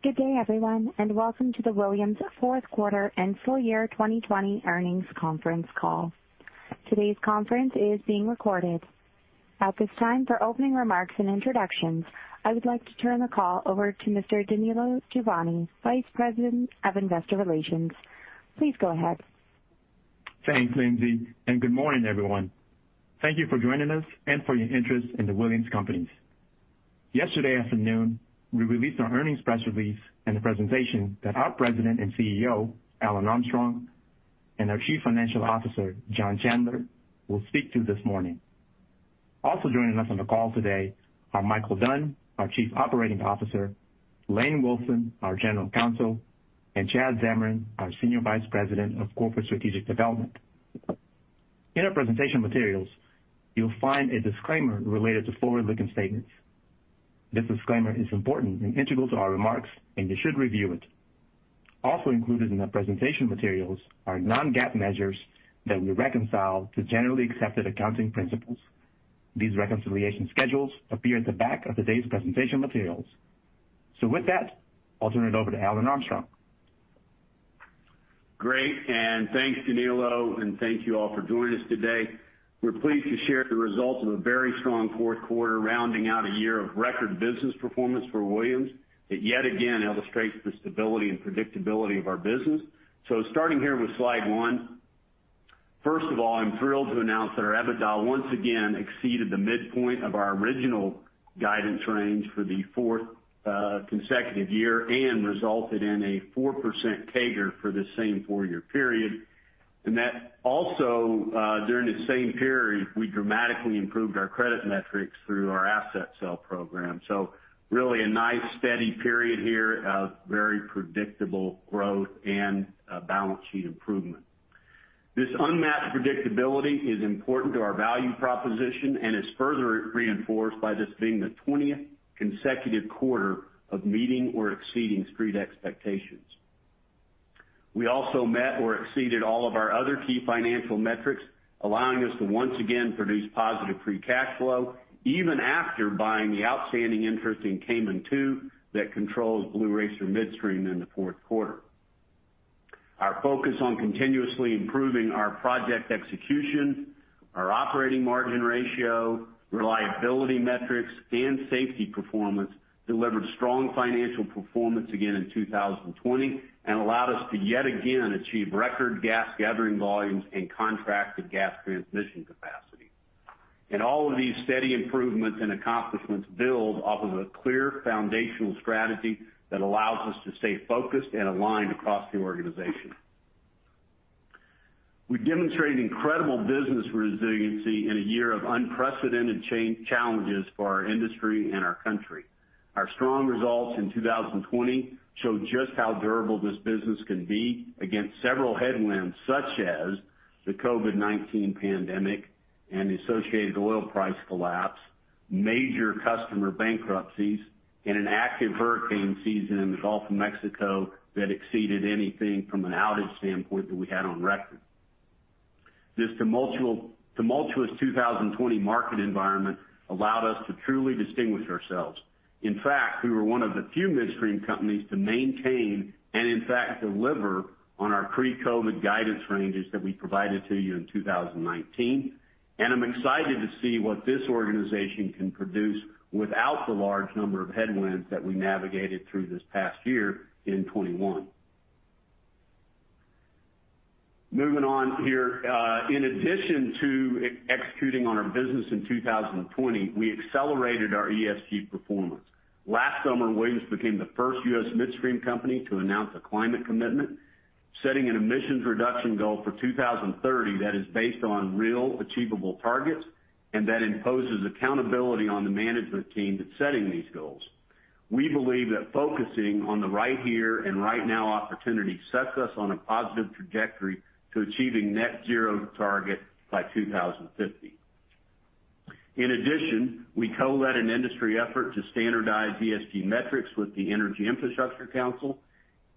Good day, everyone, and welcome to the Williams fourth quarter and full year 2020 earnings conference call. Today's conference is being recorded. At this time, for opening remarks and introductions, I would like to turn the call over to Mr. Danilo Juvane, Vice President of Investor Relations. Please go ahead. Thanks, Lindy. Good morning, everyone. Thank you for joining us and for your interest in The Williams Companies. Yesterday afternoon, we released our earnings press release and the presentation that our President and CEO, Alan Armstrong, and our Chief Financial Officer, John Chandler, will speak to this morning. Also joining us on the call today are Micheal Dunn, our Chief Operating Officer, Lane Wilson, our General Counsel, and Chad Zamarin, our Senior Vice President of Corporate Strategic Development. In our presentation materials, you'll find a disclaimer related to forward-looking statements. This disclaimer is important and integral to our remarks, and you should review it. Included in the presentation materials are non-GAAP measures that we reconcile to generally accepted accounting principles. These reconciliation schedules appear at the back of today's presentation materials. With that, I'll turn it over to Alan Armstrong. Great, thanks, Danilo, and thank you all for joining us today. We're pleased to share the results of a very strong fourth quarter, rounding out a year of record business performance for Williams. It yet again illustrates the stability and predictability of our business. Starting here with slide one. First of all, I'm thrilled to announce that our EBITDA once again exceeded the midpoint of our original guidance range for the fourth consecutive year and resulted in a 4% CAGR for the same four-year period. That also, during the same period, we dramatically improved our credit metrics through our asset sale program. Really a nice steady period here of very predictable growth and balance sheet improvement. This unmatched predictability is important to our value proposition and is further reinforced by this being the 20th consecutive quarter of meeting or exceeding street expectations. We also met or exceeded all of our other key financial metrics, allowing us to once again produce positive free cash flow even after buying the outstanding interest in Caiman II that controls Blue Racer Midstream in the fourth quarter. Our focus on continuously improving our project execution, our operating margin ratio, reliability metrics, and safety performance delivered strong financial performance again in 2020 and allowed us to yet again achieve record gas gathering volumes and contracted gas transmission capacity. All of these steady improvements and accomplishments build off of a clear foundational strategy that allows us to stay focused and aligned across the organization. We demonstrated incredible business resiliency in a year of unprecedented challenges for our industry and our country. Our strong results in 2020 show just how durable this business can be against several headwinds, such as the COVID-19 pandemic and the associated oil price collapse, major customer bankruptcies, and an active hurricane season in the Gulf of Mexico that exceeded anything from an outage standpoint that we had on record. This tumultuous 2020 market environment allowed us to truly distinguish ourselves. In fact, we were one of the few midstream companies to maintain and, in fact, deliver on our pre-COVID guidance ranges that we provided to you in 2019. I'm excited to see what this organization can produce without the large number of headwinds that we navigated through this past year in 2021. Moving on here. In addition to executing on our business in 2020, we accelerated our ESG performance. Last summer, Williams became the first U.S. midstream company to announce a climate commitment, setting an emissions reduction goal for 2030 that is based on real, achievable targets and that imposes accountability on the management team that's setting these goals. We believe that focusing on the right here and right now opportunity sets us on a positive trajectory to achieving net zero target by 2050. In addition, we co-led an industry effort to standardize ESG metrics with the Energy Infrastructure Council,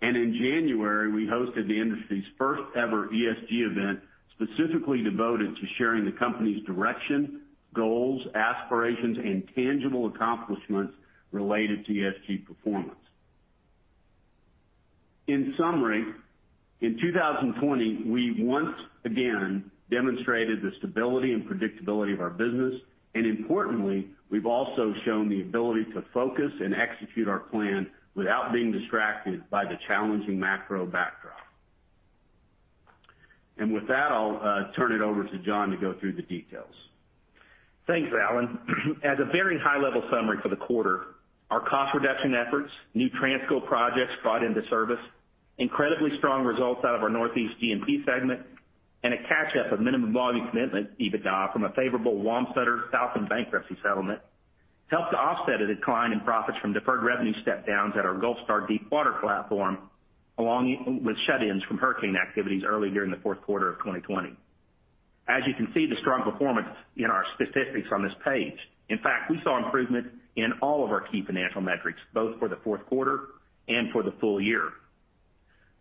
and in January, we hosted the industry's first-ever ESG event specifically devoted to sharing the company's direction, goals, aspirations, and tangible accomplishments related to ESG performance. In summary, in 2020, we once again demonstrated the stability and predictability of our business, and importantly, we've also shown the ability to focus and execute our plan without being distracted by the challenging macro backdrop. With that, I'll turn it over to John to go through the details. Thanks, Alan. As a very high-level summary for the quarter, our cost reduction efforts, new Transco projects brought into service, incredibly strong results out of our Northeast G&P segment, and a catch-up of minimum volume commitment EBITDA from a favorable Wamsutter Southland bankruptcy settlement helped to offset a decline in profits from deferred revenue step-downs at our Gulfstar deepwater platform, along with shut-ins from hurricane activities early during the fourth quarter of 2020. As you can see, the strong performance in our statistics on this page. In fact, we saw improvement in all of our key financial metrics, both for the fourth quarter and for the full year.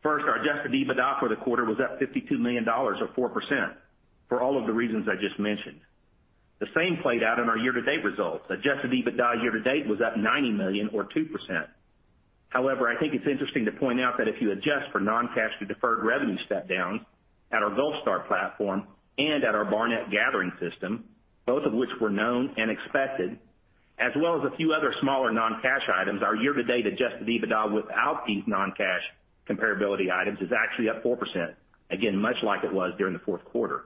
First, our adjusted EBITDA for the quarter was up $52 million or 4%, for all of the reasons I just mentioned. The same played out in our year-to-date results. Adjusted EBITDA year-to-date was up $90 million or 2%. I think it's interesting to point out that if you adjust for non-cash to deferred revenue step downs at our Gulfstar platform and at our Barnett gathering system, both of which were known and expected, as well as a few other smaller non-cash items, our year-to-date adjusted EBITDA without these non-cash comparability items is actually up 4%. Much like it was during the fourth quarter.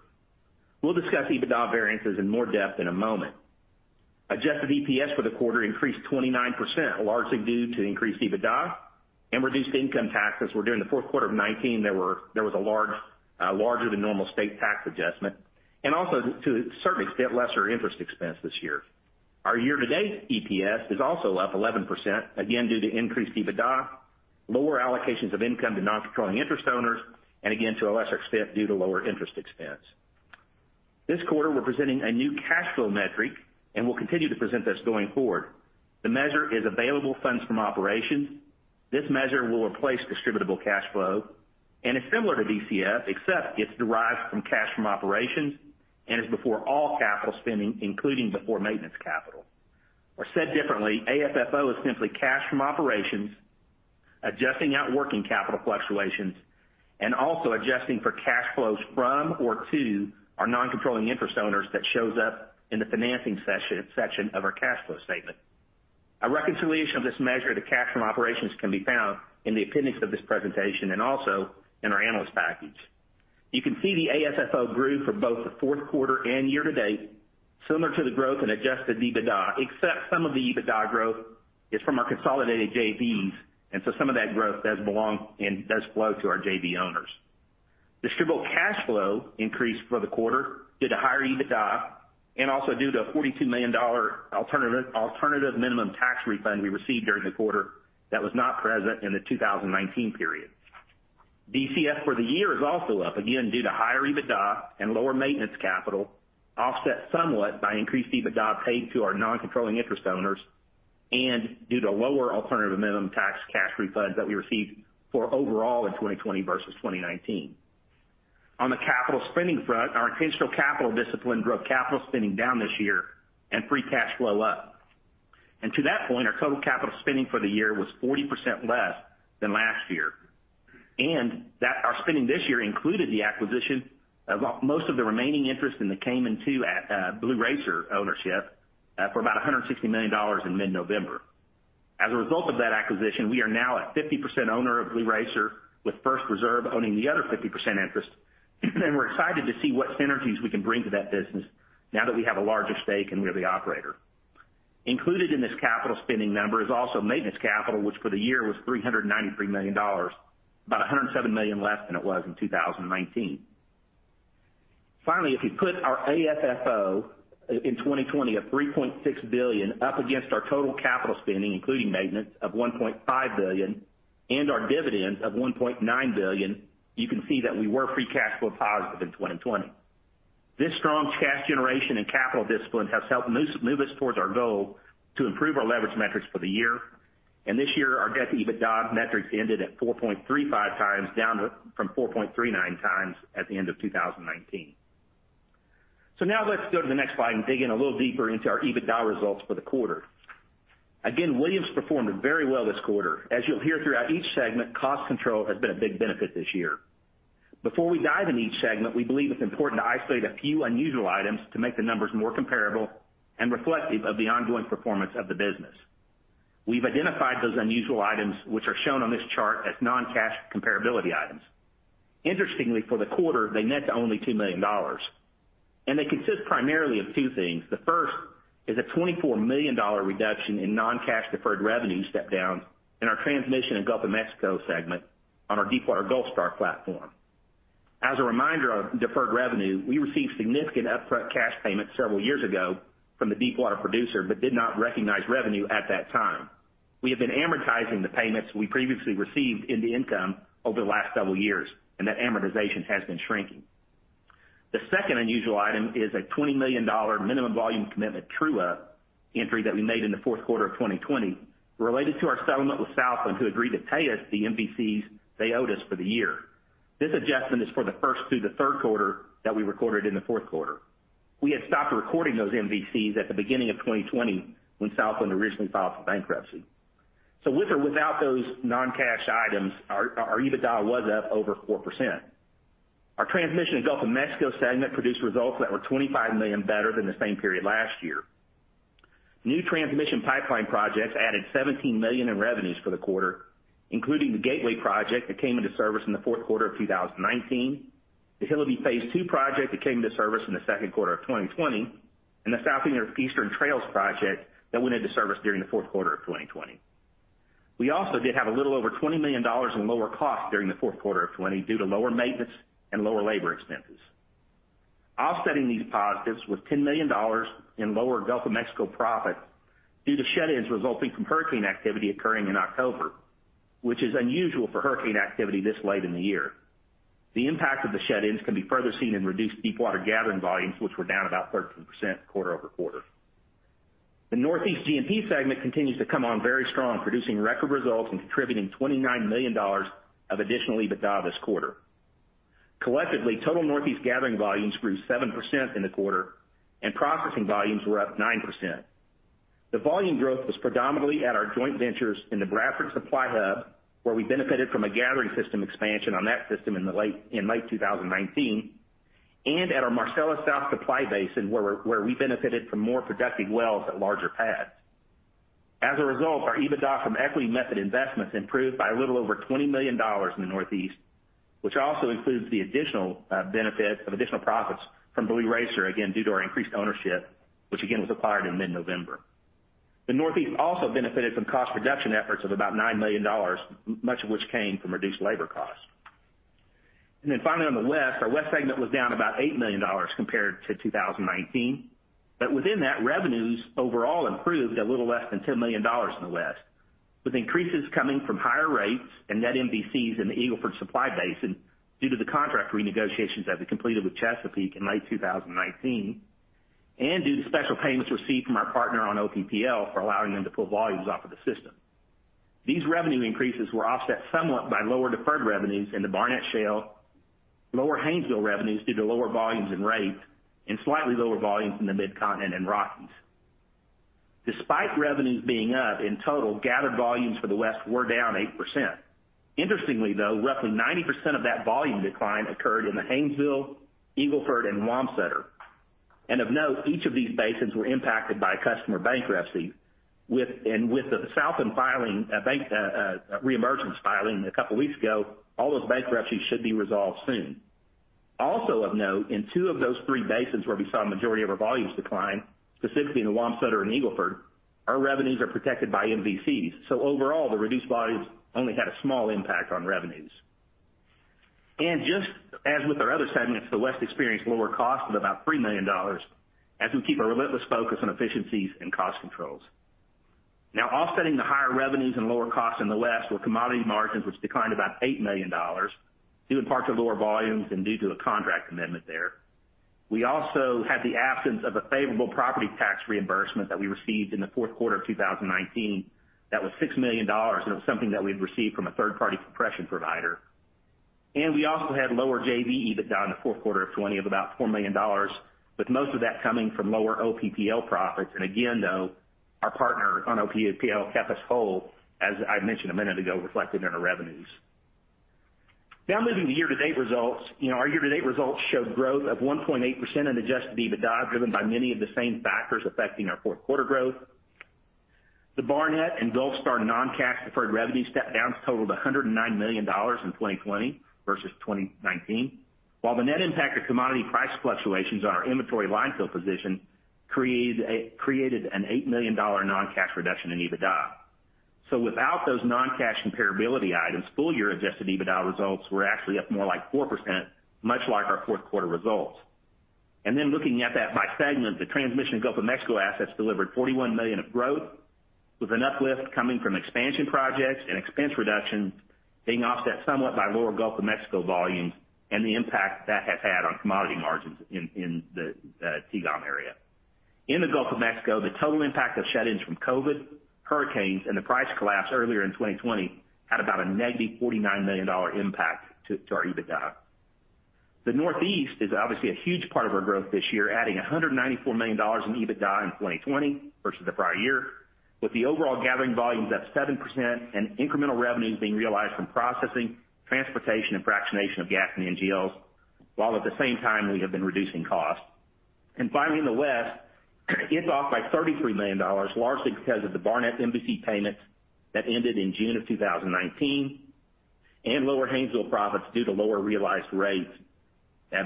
We'll discuss EBITDA variances in more depth in a moment. Adjusted EPS for the quarter increased 29%, largely due to increased EBITDA and reduced income tax, as where during the fourth quarter of 2019, there was a larger than normal state tax adjustment, and also to a certain extent, lesser interest expense this year. Our year-to-date EPS is also up 11%, again, due to increased EBITDA, lower allocations of income to non-controlling interest owners, and again, to a lesser extent, due to lower interest expense. This quarter, we're presenting a new cash flow metric and will continue to present this going forward. The measure is available funds from operations. This measure will replace distributable cash flow, and it's similar to DCF except it derives from cash from operations and is before all capital spending, including before maintenance capital. Said differently, AFFO is simply cash from operations, adjusting out working capital fluctuations, and also adjusting for cash flows from or to our non-controlling interest owners that shows up in the financing section of our cash flow statement. A reconciliation of this measure to cash from operations can be found in the appendix of this presentation, and also in our analyst package. You can see the AFFO grew for both the fourth quarter and year-to-date, similar to the growth in adjusted EBITDA, except some of the EBITDA growth is from our consolidated JVs, and so some of that growth does belong and does flow to our JV owners. Distributable cash flow increased for the quarter due to higher EBITDA and also due to a $42 million alternative minimum tax refund we received during the quarter that was not present in the 2019 period. DCF for the year is also up, again, due to higher EBITDA and lower maintenance capital, offset somewhat by increased EBITDA paid to our non-controlling interest owners and due to lower alternative minimum tax cash refunds that we received for overall in 2020 versus 2019. On the capital spending front, our intentional capital discipline drove capital spending down this year and free cash flow up. To that point, our total capital spending for the year was 40% less than last year. Our spending this year included the acquisition of most of the remaining interest in the Caiman II Blue Racer ownership for about $160 million in mid-November. As a result of that acquisition, we are now a 50% owner of Blue Racer, with First Reserve owning the other 50% interest, and we're excited to see what synergies we can bring to that business now that we have a larger stake and we're the operator. Included in this capital spending number is also maintenance capital, which for the year was $393 million. About $107 million less than it was in 2019. If you put our AFFO in 2020 of $3.6 billion up against our total capital spending, including maintenance of $1.5 billion and our dividend of $1.9 billion, you can see that we were free cash flow positive in 2020. This strong cash generation and capital discipline has helped move us towards our goal to improve our leverage metrics for the year. This year, our debt-to-EBITDA metrics ended at 4.35x down from 4.39x at the end of 2019. Let's go to the next slide and dig in a little deeper into our EBITDA results for the quarter. Again, Williams performed very well this quarter. As you'll hear throughout each segment, cost control has been a big benefit this year. Before we dive in each segment, we believe it's important to isolate a few unusual items to make the numbers more comparable and reflective of the ongoing performance of the business. We've identified those unusual items, which are shown on this chart as non-cash comparability items. Interestingly, for the quarter, they net to only $2 million. They consist primarily of two things. The first is a $24 million reduction in non-cash deferred revenue step downs in our Transmission in Gulf of Mexico segment on our Deepwater Gulfstar platform. As a reminder of deferred revenue, we received significant upfront cash payments several years ago from the Deepwater producer. We did not recognize revenue at that time. We have been amortizing the payments we previously received in the income over the last several years. That amortization has been shrinking. The second unusual item is a $20 million minimum volume commitment true-up entry that we made in the fourth quarter of 2020, related to our settlement with Southland, who agreed to pay us the MVCs they owed us for the year. This adjustment is for the first through the third quarter that we recorded in the fourth quarter. We had stopped recording those MVCs at the beginning of 2020 when Southland originally filed for bankruptcy. With or without those non-cash items, our EBITDA was up over 4%. Our Transmission & Gulf of Mexico segment produced results that were $25 million better than the same period last year. New transmission pipeline projects added $17 million in revenues for the quarter, including the Gateway project that came into service in the fourth quarter of 2019, the Hillabee Phase II project that came into service in the second quarter of 2020, and the Southeastern Trail project that went into service during the fourth quarter of 2020. We also did have a little over $20 million in lower costs during the fourth quarter of 2020 due to lower maintenance and lower labor expenses. Offsetting these positives was $10 million in lower Gulf of Mexico profits due to shut-ins resulting from hurricane activity occurring in October, which is unusual for hurricane activity this late in the year. The impact of the shut-ins can be further seen in reduced deepwater gathering volumes, which were down about 13% quarter-over-quarter. The Northeast G&P segment continues to come on very strong, producing record results and contributing $29 million of additional EBITDA this quarter. Collectively, total Northeast gathering volumes grew 7% in the quarter, and processing volumes were up 9%. The volume growth was predominantly at our joint ventures in the Bradford supply hub, where we benefited from a gathering system expansion on that system in late 2019, and at our Marcellus South supply basin, where we benefited from more productive wells at larger pads. As a result, our EBITDA from equity method investments improved by a little over $20 million in the Northeast, which also includes the additional benefit of additional profits from Blue Racer, again, due to our increased ownership, which again, was acquired in mid-November. The Northeast also benefited from cost reduction efforts of about $9 million, much of which came from reduced labor costs. On the West, our West segment was down about $8 million compared to 2019. Within that, revenues overall improved a little less than $10 million in the West, with increases coming from higher rates and net MVCs in the Eagle Ford supply basin due to the contract renegotiations that we completed with Chesapeake in late 2019, and due to special payments received from our partner on OPPL for allowing them to pull volumes off of the system. These revenue increases were offset somewhat by lower deferred revenues in the Barnett Shale, lower Haynesville revenues due to lower volumes and rates, and slightly lower volumes in the Mid-Continent and Rockies. Despite revenues being up in total, gathered volumes for the West were down 8%. Interestingly, though, roughly 90% of that volume decline occurred in the Haynesville, Eagle Ford, and Wamsutter. Of note, each of these basins were impacted by a customer bankruptcy. With the Southland re-emergence filing a couple of weeks ago, all those bankruptcies should be resolved soon. Also of note, in two of those three basins where we saw majority of our volumes decline, specifically in the Wamsutter and Eagle Ford, our revenues are protected by MVCs. Overall, the reduced volumes only had a small impact on revenues. Just as with our other segments, the West experienced lower costs of about $3 million as we keep a relentless focus on efficiencies and cost controls. Now offsetting the higher revenues and lower costs in the West were commodity margins, which declined about $8 million due in part to lower volumes and due to a contract amendment there. We also had the absence of a favorable property tax reimbursement that we received in the fourth quarter of 2019 that was $6 million. It was something that we had received from a third-party compression provider. We also had lower JV EBITDA in the fourth quarter of 2020 of about $4 million, with most of that coming from lower OPPL profits. Again, though, our partner on OPPL kept us whole, as I mentioned a minute ago, reflected in our revenues. Moving to year-to-date results. Our year-to-date results showed growth of 1.8% in adjusted EBITDA, driven by many of the same factors affecting our fourth quarter growth. The Barnett and Gulfstar non-cash deferred revenue step downs totaled $109 million in 2020 versus 2019. While the net impact of commodity price fluctuations on our inventory line fill position created an $8 million non-cash reduction in EBITDA. Without those non-cash comparability items, full year adjusted EBITDA results were actually up more like 4%, much like our fourth quarter results. Looking at that by segment, the Transmission & Gulf of Mexico assets delivered $41 million of growth, with an uplift coming from expansion projects and expense reductions being offset somewhat by lower Gulf of Mexico volumes and the impact that has had on commodity margins in the T&GOM area. In the Gulf of Mexico, the total impact of shut-ins from COVID-19, hurricanes, and the price collapse earlier in 2020 had about a -$49 million impact to our EBITDA. The Northeast is obviously a huge part of our growth this year, adding $194 million in EBITDA in 2020 versus the prior year, with the overall gathering volumes up 7% and incremental revenues being realized from processing, transportation, and fractionation of gas and NGLs, while at the same time we have been reducing costs. Finally, in the West, it's off by $33 million, largely because of the Barnett MVC payments that ended in June of 2019 and lower Haynesville profits due to lower realized rates,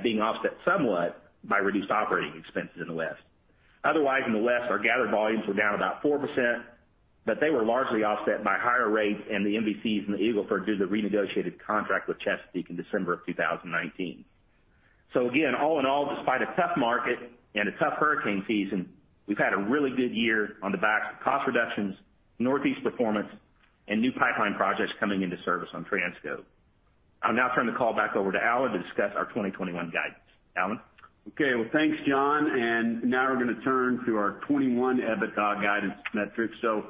being offset somewhat by reduced operating expenses in the West. Otherwise, in the West, our gathered volumes were down about 4%, they were largely offset by higher rates and the MVCs in the Eagle Ford due to the renegotiated contract with Chesapeake in December of 2019. Again, all in all, despite a tough market and a tough hurricane season, we've had a really good year on the back of cost reductions, Northeast performance, and new pipeline projects coming into service on Transco. I'll now turn the call back over to Alan to discuss our 2021 guidance. Alan? Okay. Well, thanks, John. Now we're going to turn to our 2021 EBITDA guidance metrics. I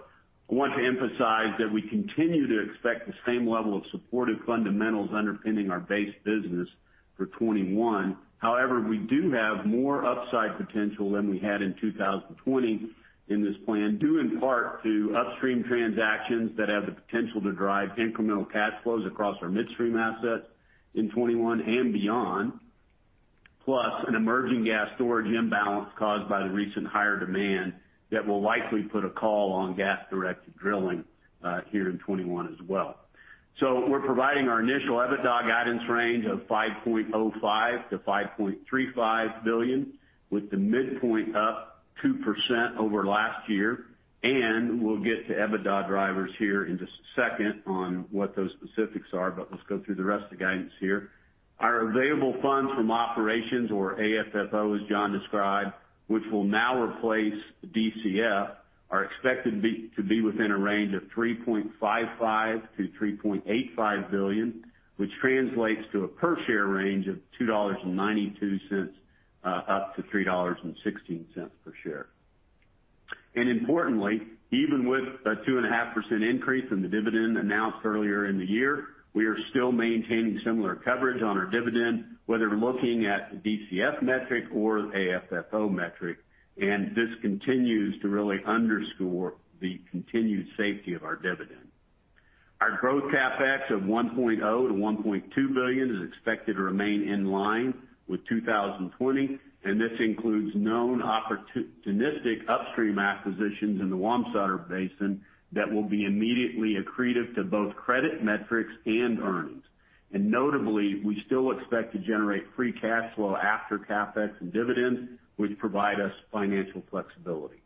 want to emphasize that we continue to expect the same level of supportive fundamentals underpinning our base business for 2021. However, we do have more upside potential than we had in 2020 in this plan, due in part to upstream transactions that have the potential to drive incremental cash flows across our midstream assets in 2021 and beyond, plus an emerging gas storage imbalance caused by the recent higher demand that will likely put a call on gas-directed drilling here in 2021 as well. We're providing our initial EBITDA guidance range of $5.05 billion-$5.35 billion, with the midpoint up 2% over last year. We'll get to EBITDA drivers here in just a second on what those specifics are, let's go through the rest of the guidance here. Our available funds from operations or AFFO, as John described, which will now replace DCF, are expected to be within a range of $3.55 billion-$3.85 billion, which translates to a per share range of $2.92-$3.16 per share. Importantly, even with a 2.5% increase in the dividend announced earlier in the year, we are still maintaining similar coverage on our dividend, whether looking at the DCF metric or the AFFO metric. This continues to really underscore the continued safety of our dividend. Our growth CapEx of $1.0 billion-$1.2 billion is expected to remain in line with 2020, this includes known opportunistic upstream acquisitions in the Wamsutter basin that will be immediately accretive to both credit metrics and earnings. Notably, we still expect to generate free cash flow after CapEx and dividends, which provide us financial flexibility.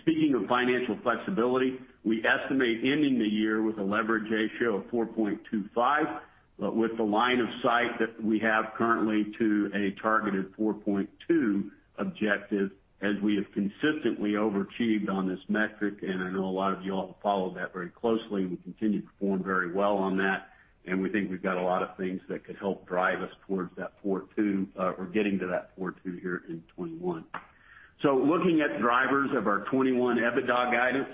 Speaking of financial flexibility, we estimate ending the year with a leverage ratio of 4.25, but with the line of sight that we have currently to a targeted 4.2 objective as we have consistently overachieved on this metric. I know a lot of you all have followed that very closely, and we continue to perform very well on that, and we think we've got a lot of things that could help drive us towards that 4.2. We're getting to that 4.2 here in 2021. Looking at drivers of our 2021 EBITDA guidance,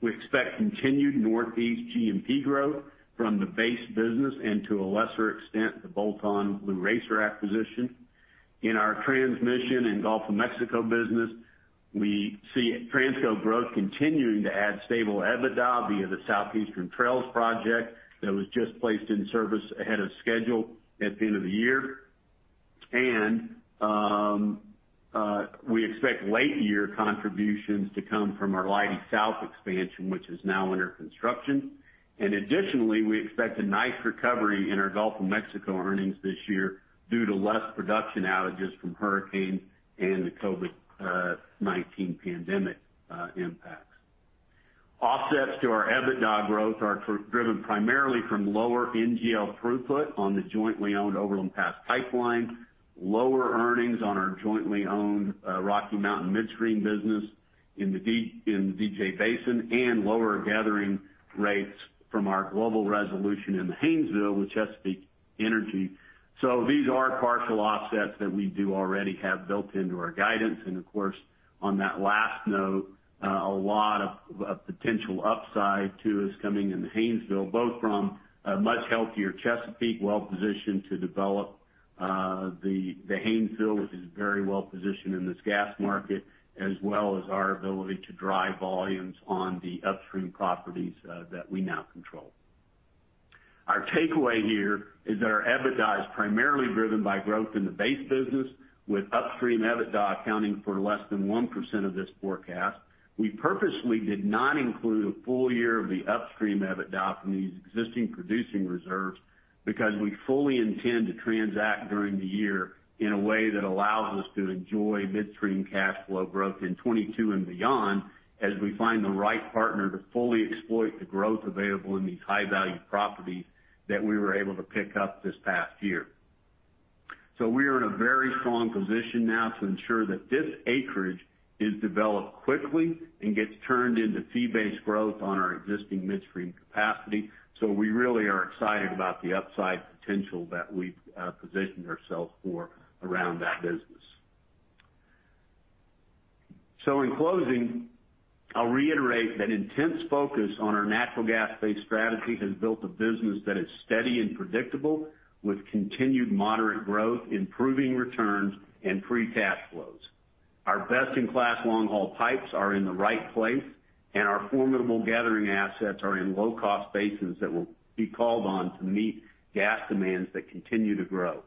we expect continued Northeast G&P growth from the base business and, to a lesser extent, the bolt-on Blue Racer acquisition. In our Transmission in Gulf of Mexico business, we see Transco growth continuing to add stable EBITDA via the Southeastern Trail project that was just placed in service ahead of schedule at the end of the year. We expect late-year contributions to come from our Leidy South expansion, which is now under construction. Additionally, we expect a nice recovery in our Gulf of Mexico earnings this year due to less production outages from hurricanes and the COVID-19 pandemic impacts. Offsets to our EBITDA growth are driven primarily from lower NGL throughput on the jointly owned Overland Pass Pipeline, lower earnings on our jointly owned Rocky Mountain Midstream business in the D-J basin, and lower gathering rates from our global resolution in the Haynesville with Chesapeake Energy. These are partial offsets that we do already have built into our guidance. Of course, on that last note, a lot of potential upside too is coming in the Haynesville, both from a much healthier Chesapeake, well-positioned to develop, the Haynesville, which is very well-positioned in this gas market, as well as our ability to drive volumes on the upstream properties that we now control. Our takeaway here is that our EBITDA is primarily driven by growth in the base business, with upstream EBITDA accounting for less than 1% of this forecast. We purposely did not include a full year of the upstream EBITDA from these existing producing reserves because we fully intend to transact during the year in a way that allows us to enjoy midstream cash flow growth in 2022 and beyond as we find the right partner to fully exploit the growth available in these high-value properties that we were able to pick up this past year. We are in a very strong position now to ensure that this acreage is developed quickly and gets turned into fee-based growth on our existing midstream capacity. We really are excited about the upside potential that we've positioned ourselves for around that business. In closing, I'll reiterate that intense focus on our natural gas-based strategy has built a business that is steady and predictable, with continued moderate growth, improving returns, and free cash flows. Our best-in-class long-haul pipes are in the right place, and our formidable gathering assets are in low-cost basins that will be called on to meet gas demands that continue to grow.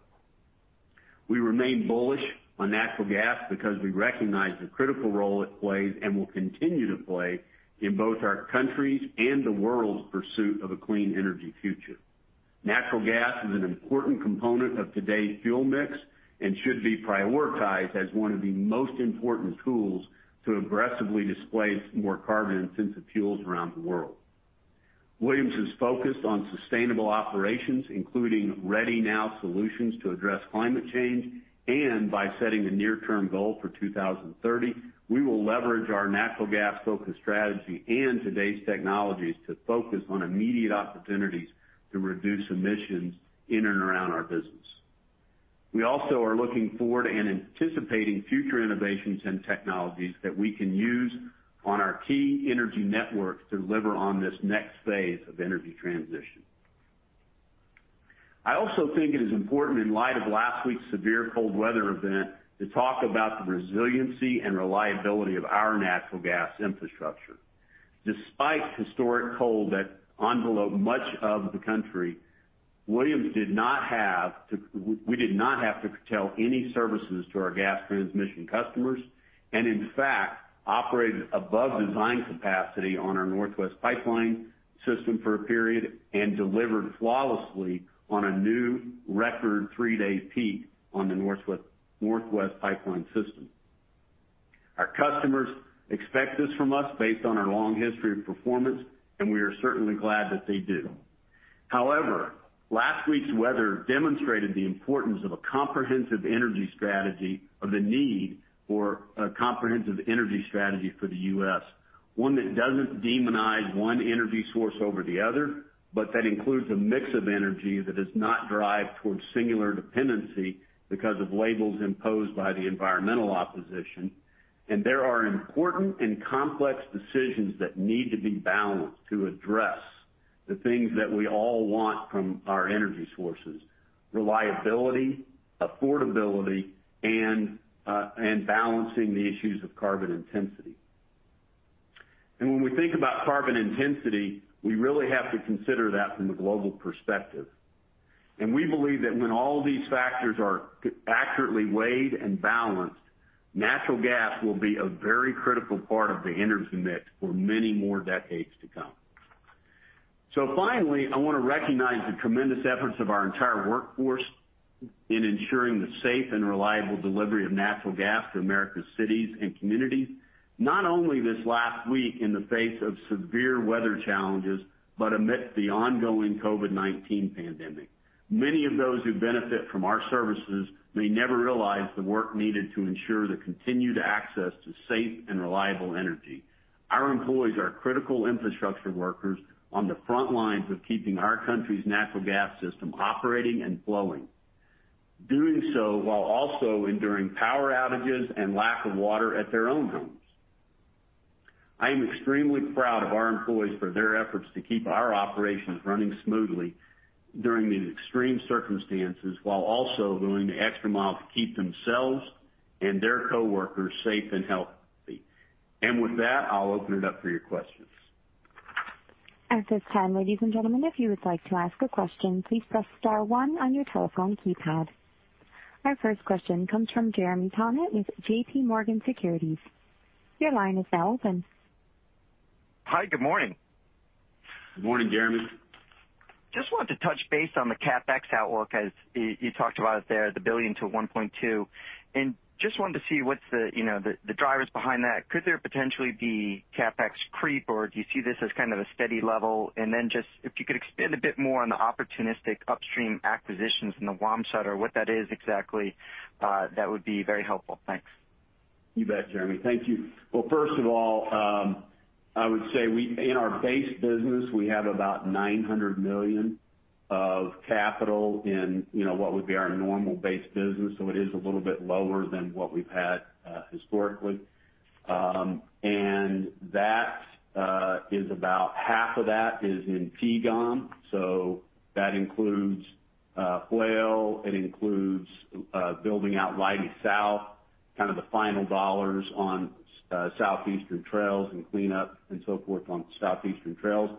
We remain bullish on natural gas because we recognize the critical role it plays and will continue to play in both our country's and the world's pursuit of a clean energy future. Natural gas is an important component of today's fuel mix and should be prioritized as one of the most important tools to aggressively displace more carbon-intensive fuels around the world. Williams is focused on sustainable operations, including ready now solutions to address climate change, and by setting a near-term goal for 2030. We will leverage our natural gas-focused strategy and today's technologies to focus on immediate opportunities to reduce emissions in and around our business. We also are looking forward and anticipating future innovations and technologies that we can use on our key energy networks to deliver on this next phase of energy transition. I also think it is important in light of last week's severe cold weather event to talk about the resiliency and reliability of our natural gas infrastructure. Despite historic cold that enveloped much of the country, Williams we did not have to curtail any services to our gas transmission customers, and in fact, operated above design capacity on our Northwest Pipeline system for a period and delivered flawlessly on a new record three-day peak on the Northwest Pipeline system. Our customers expect this from us based on our long history of performance. We are certainly glad that they do. Last week's weather demonstrated the importance of a comprehensive energy strategy, of the need for a comprehensive energy strategy for the U.S. One that doesn't demonize one energy source over the other, but that includes a mix of energy that is not derived towards singular dependency because of labels imposed by the environmental opposition. There are important and complex decisions that need to be balanced to address the things that we all want from our energy sources, reliability, affordability, and balancing the issues of carbon intensity. When we think about carbon intensity, we really have to consider that from the global perspective. We believe that when all these factors are accurately weighed and balanced, natural gas will be a very critical part of the energy mix for many more decades to come. Finally, I want to recognize the tremendous efforts of our entire workforce in ensuring the safe and reliable delivery of natural gas to America's cities and communities, not only this last week in the face of severe weather challenges, but amid the ongoing COVID-19 pandemic. Many of those who benefit from our services may never realize the work needed to ensure the continued access to safe and reliable energy. Our employees are critical infrastructure workers on the front lines of keeping our country's natural gas system operating and flowing. Doing so while also enduring power outages and lack of water at their own homes. I am extremely proud of our employees for their efforts to keep our operations running smoothly during these extreme circumstances, while also going the extra mile to keep themselves and their coworkers safe and healthy. With that, I'll open it up for your questions. At this time, ladies and gentlemen, if you would like to ask a question, please press star one on your telephone keypad. Our first question comes from Jeremy Tonet with JPMorgan Securities. Your line is now open. Hi, good morning. Morning, Jeremy. Just wanted to touch base on the CapEx outlook as you talked about there, the $1 billion-$1.2 billion. Just wanted to see what's the drivers behind that. Could there potentially be CapEx creep or do you see this as kind of a steady level? Just if you could expand a bit more on the opportunistic upstream acquisitions in the Wamsutter, what that is exactly, that would be very helpful. Thanks. You bet, Jeremy. Thank you. Well, first of all, I would say in our base business, we have about $900 million of capital in what would be our normal base business. It is a little bit lower than what we've had historically. About half of that is in T&GOM. That includes Flail, it includes building out Leidy South, kind of the final dollars on Southeastern Trail and cleanup and so forth on Southeastern Trail,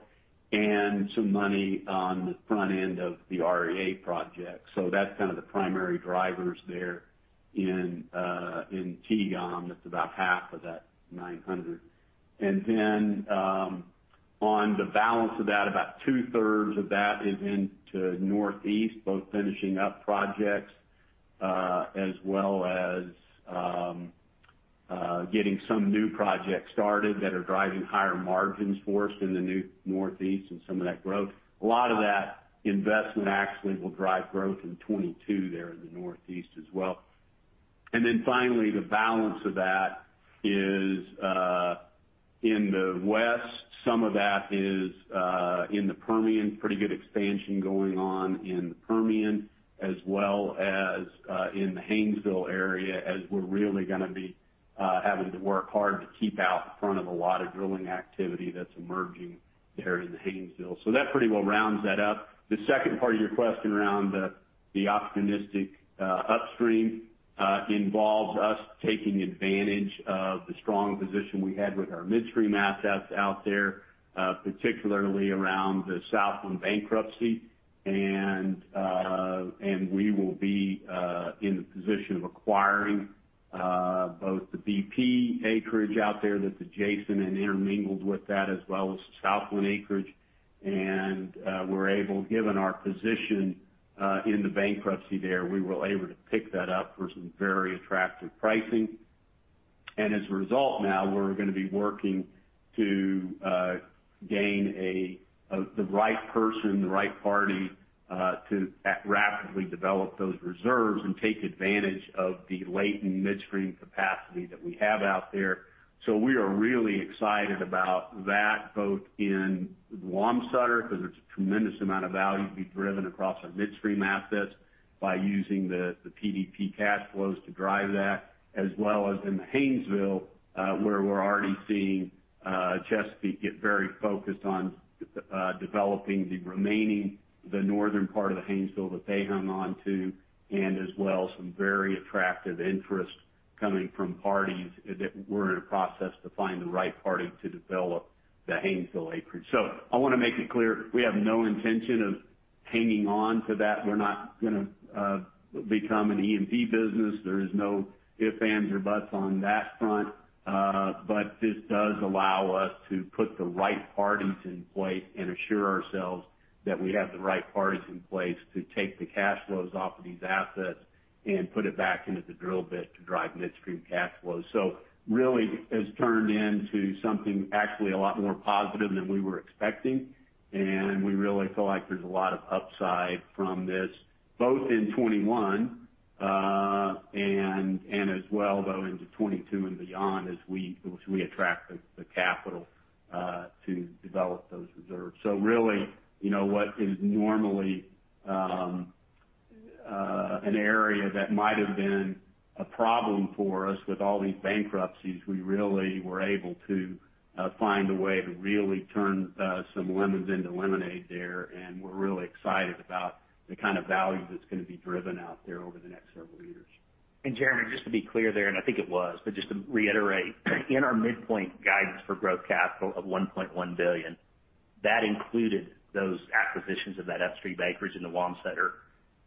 and some money on the front end of the REA project. That's kind of the primary drivers there in T&GOM. That's about half of that 900. On the balance of that, about 2/3 of that is into Northeast, both finishing up projects, as well as getting some new projects started that are driving higher margins for us in the Northeast and some of that growth. A lot of that investment actually will drive growth in 2022 there in the Northeast as well. Finally, the balance of that is in the West. Some of that is in the Permian. Pretty good expansion going on in the Permian as well as in the Haynesville area as we're really going to be having to work hard to keep out in front of a lot of drilling activity that's emerging there in the Haynesville. That pretty well rounds that up. The second part of your question around the opportunistic upstream involves us taking advantage of the strong position we had with our midstream assets out there, particularly around the Southland bankruptcy. We will be in the position of acquiring both the BP acreage out there that's adjacent and intermingled with that, as well as Southland acreage. Given our position in the bankruptcy there, we were able to pick that up for some very attractive pricing. As a result now, we're going to be working to gain the right person, the right party, to rapidly develop those reserves and take advantage of the latent midstream capacity that we have out there. We are really excited about that, both in Wamsutter, because there's a tremendous amount of value to be driven across our midstream assets by using the PDP cash flows to drive that, as well as in the Haynesville, where we're already seeing Chesapeake get very focused on developing the remaining Northern part of the Haynesville that they hung on to, and as well, some very attractive interest coming from parties that we're in a process to find the right party to develop the Haynesville acreage. I want to make it clear, we have no intention of hanging on to that. We're not going to become an E&P business. There is no if, ands, or buts on that front. This does allow us to put the right parties in place and assure ourselves that we have the right parties in place to take the cash flows off of these assets and put it back into the drill bit to drive midstream cash flow. Really, has turned into something actually a lot more positive than we were expecting, and we really feel like there's a lot of upside from this, both in 2021 and as well, though, into 2022 and beyond, as we attract the capital to develop those reserves. Really, what is normally an area that might have been a problem for us with all these bankruptcies, we really were able to find a way to really turn some lemons into lemonade there. We're really excited about the kind of value that's going to be driven out there over the next several years. Jeremy, just to be clear there, I think it was, but just to reiterate, in our midpoint guidance for growth capital of $1.1 billion, that included those acquisitions of that E&P acreage in the Wamsutter.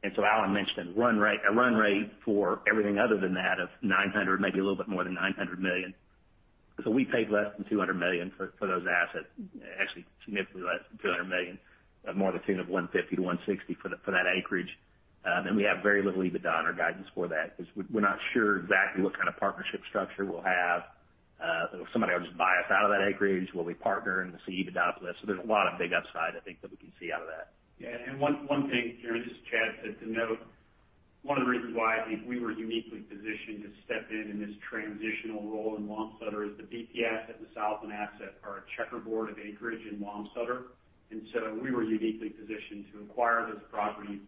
Alan mentioned a run rate for everything other than that of $900, maybe a little bit more than $900 million. We paid less than $200 million for those assets. Actually, significantly less than $200 million, more to the tune of $150 million-$160 million for that acreage. We have very little EBITDA in our guidance for that because we're not sure exactly what kind of partnership structure we'll have. If somebody will just buy us out of that acreage, will we partner and see EBITDA for this? There's a lot of big upside, I think, that we can see out of that. Yeah. One thing, Jeremy, this is Chad. To note, one of the reasons why I think we were uniquely positioned to step in in this transitional role in Wamsutter is the BP's and the Southland assets are a checkerboard of acreage in Wamsutter. We were uniquely positioned to acquire those properties,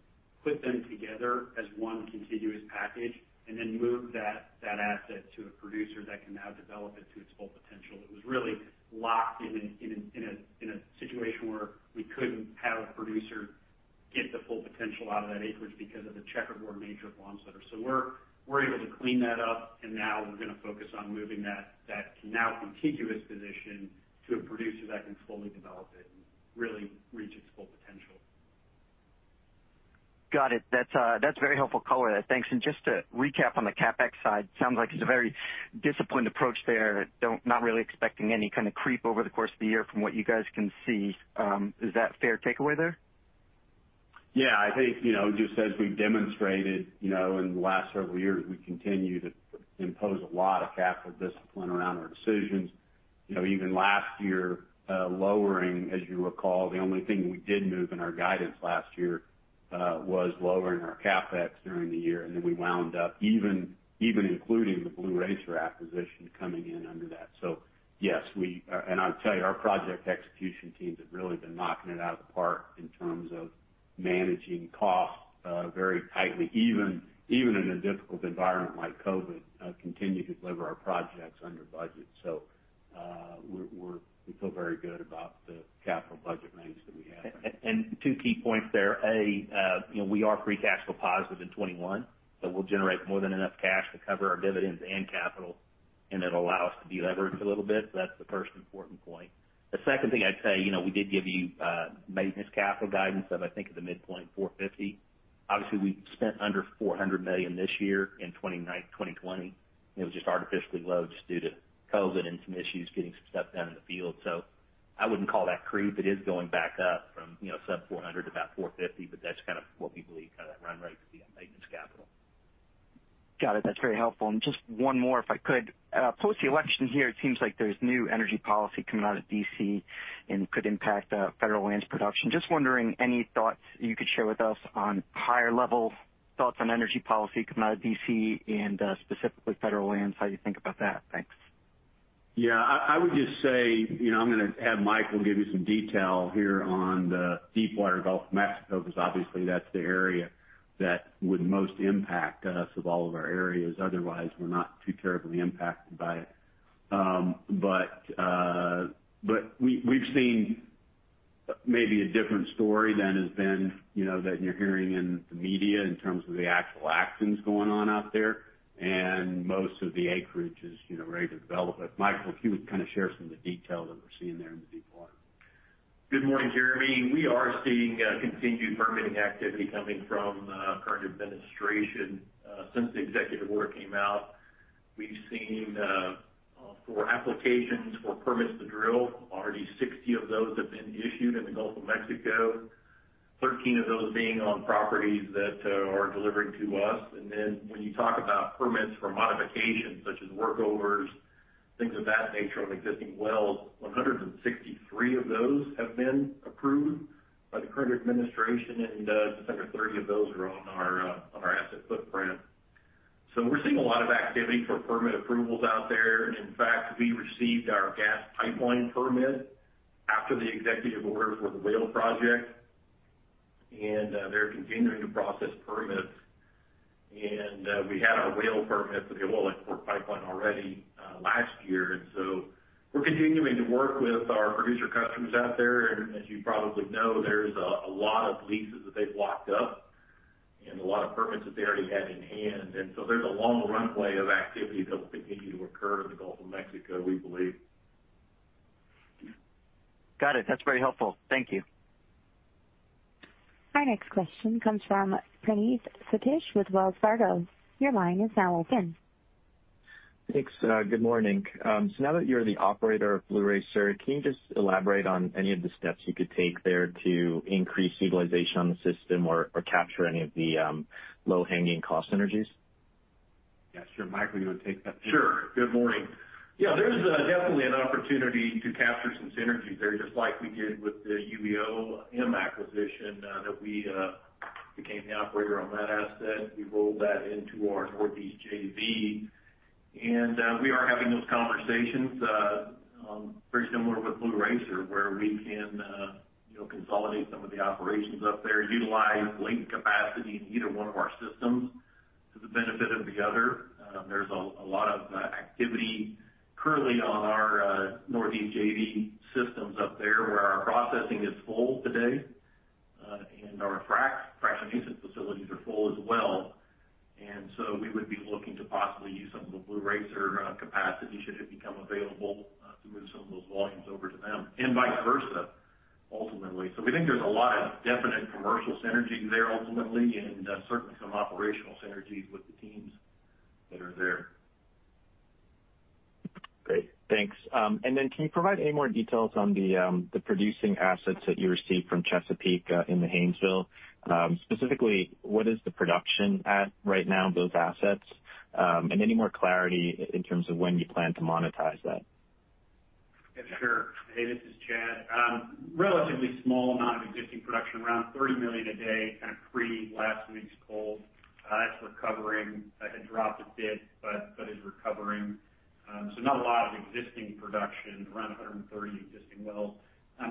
put them together as one contiguous package, and then move that asset to a producer that can now develop it to its full potential. It was really locked in a situation where we couldn't have a producer get the full potential out of that acreage because of the checkerboard nature of Wamsutter. We're able to clean that up, and now we're going to focus on moving that to now a contiguous position to a producer that can fully develop it and really reach its full potential. Got it. That's very helpful color there. Thanks. Just to recap on the CapEx side, sounds like it's a very disciplined approach there. Not really expecting any kind of creep over the course of the year from what you guys can see. Is that a fair takeaway there? Yeah, I think, just as we've demonstrated in the last several years, we continue to impose a lot of capital discipline around our decisions. Even last year, lowering, as you recall, the only thing we did move in our guidance last year, was lowering our CapEx during the year. We wound up even including the Blue Racer acquisition coming in under that. I'll tell you, our project execution teams have really been knocking it out of the park in terms of managing costs very tightly, even in a difficult environment like COVID, continue to deliver our projects under budget. We feel very good about the capital budget management we have. Two key points there. A, we are free cash flow positive in 2021, we'll generate more than enough cash to cover our dividends and capital, and it'll allow us to deleverage a little bit. That's the first important point. The second thing I'd say, we did give you maintenance capital guidance of, I think, at the midpoint, $450. Obviously, we spent under $400 million this year in 2019, 2020. It was just artificially low just due to COVID and some issues getting some stuff done in the field. I wouldn't call that creep. It is going back up from sub $400 to about $450, but that's kind of what we believe that run rate to be on maintenance capital. Got it. That's very helpful. Just one more, if I could. Post the election here, it seems like there's new energy policy coming out of D.C. and could impact federal lands production. Just wondering, any thoughts you could share with us on higher-level thoughts on energy policy coming out of D.C. and specifically federal lands, how you think about that? Thanks. Yeah, I would just say, I'm going to have Mike give you some detail here on the deepwater Gulf of Mexico, because obviously that's the area that would most impact us of all of our areas. Otherwise, we're not too terribly impacted by it. We've seen maybe a different story than you're hearing in the media in terms of the actual actions going on out there. Most of the acreage is ready to develop. If Micheal, if you would kind of share some of the detail that we're seeing there in the deepwater. Good morning, Jeremy. We are seeing continued permitting activity coming from current administration. Since the executive order came out, we've seen for applications for permits to drill, already 60 of those have been issued in the Gulf of Mexico, 13 of those being on properties that are delivered to us. When you talk about permits for modifications such as workovers, things of that nature on existing wells, 163 of those have been approved by the current administration, and December 30 of those are on our asset footprint. We're seeing a lot of activity for permit approvals out there. In fact, we received our gas pipeline permit after the executive order for the Whale project, and they're continuing to process permits. We had our Whale permit for the Oil Export Pipeline already last year. We're continuing to work with our producer customers out there. As you probably know, there's a lot of leases that they've locked up and a lot of permits that they already have in hand. There's a long runway of activity that will continue to occur in the Gulf of Mexico, we believe. Got it. That's very helpful. Thank you. Our next question comes from Praneeth Satish with Wells Fargo. Your line is now open. Thanks. Good morning. Now that you're the operator of Blue Racer, can you just elaborate on any of the steps you could take there to increase utilization on the system or capture any of the low-hanging cost synergies? Yeah, sure. Micheal, are you going to take that? Sure. Good morning. There's definitely an opportunity to capture some synergies there, just like we did with the UEOM acquisition that we became the operator on that asset. We rolled that into our Northeast JV. We are having those conversations, pretty similar with Blue Racer, where we can consolidate some of the operations up there, utilize latent capacity in either one of our systems to the benefit of the other. There's a lot of activity currently on our Northeast JV systems up there, where our processing is full today. Our fractionation facilities are full as well. We would be looking to possibly use some of the Blue Racer capacity should it become available to move some of those volumes over to them, and vice versa, ultimately. We think there's a lot of definite commercial synergy there ultimately, and certainly some operational synergies with the teams that are there. Great. Thanks. Can you provide any more details on the producing assets that you received from Chesapeake in the Haynesville? Specifically, what is the production at right now of those assets? Any more clarity in terms of when you plan to monetize that? Yeah, sure. This is Chad. Relatively small amount of existing production, around $30 million a day, kind of pre last week's pull. That's recovering. That had dropped a bit, is recovering. Not a lot of existing production, around 130 existing wells. I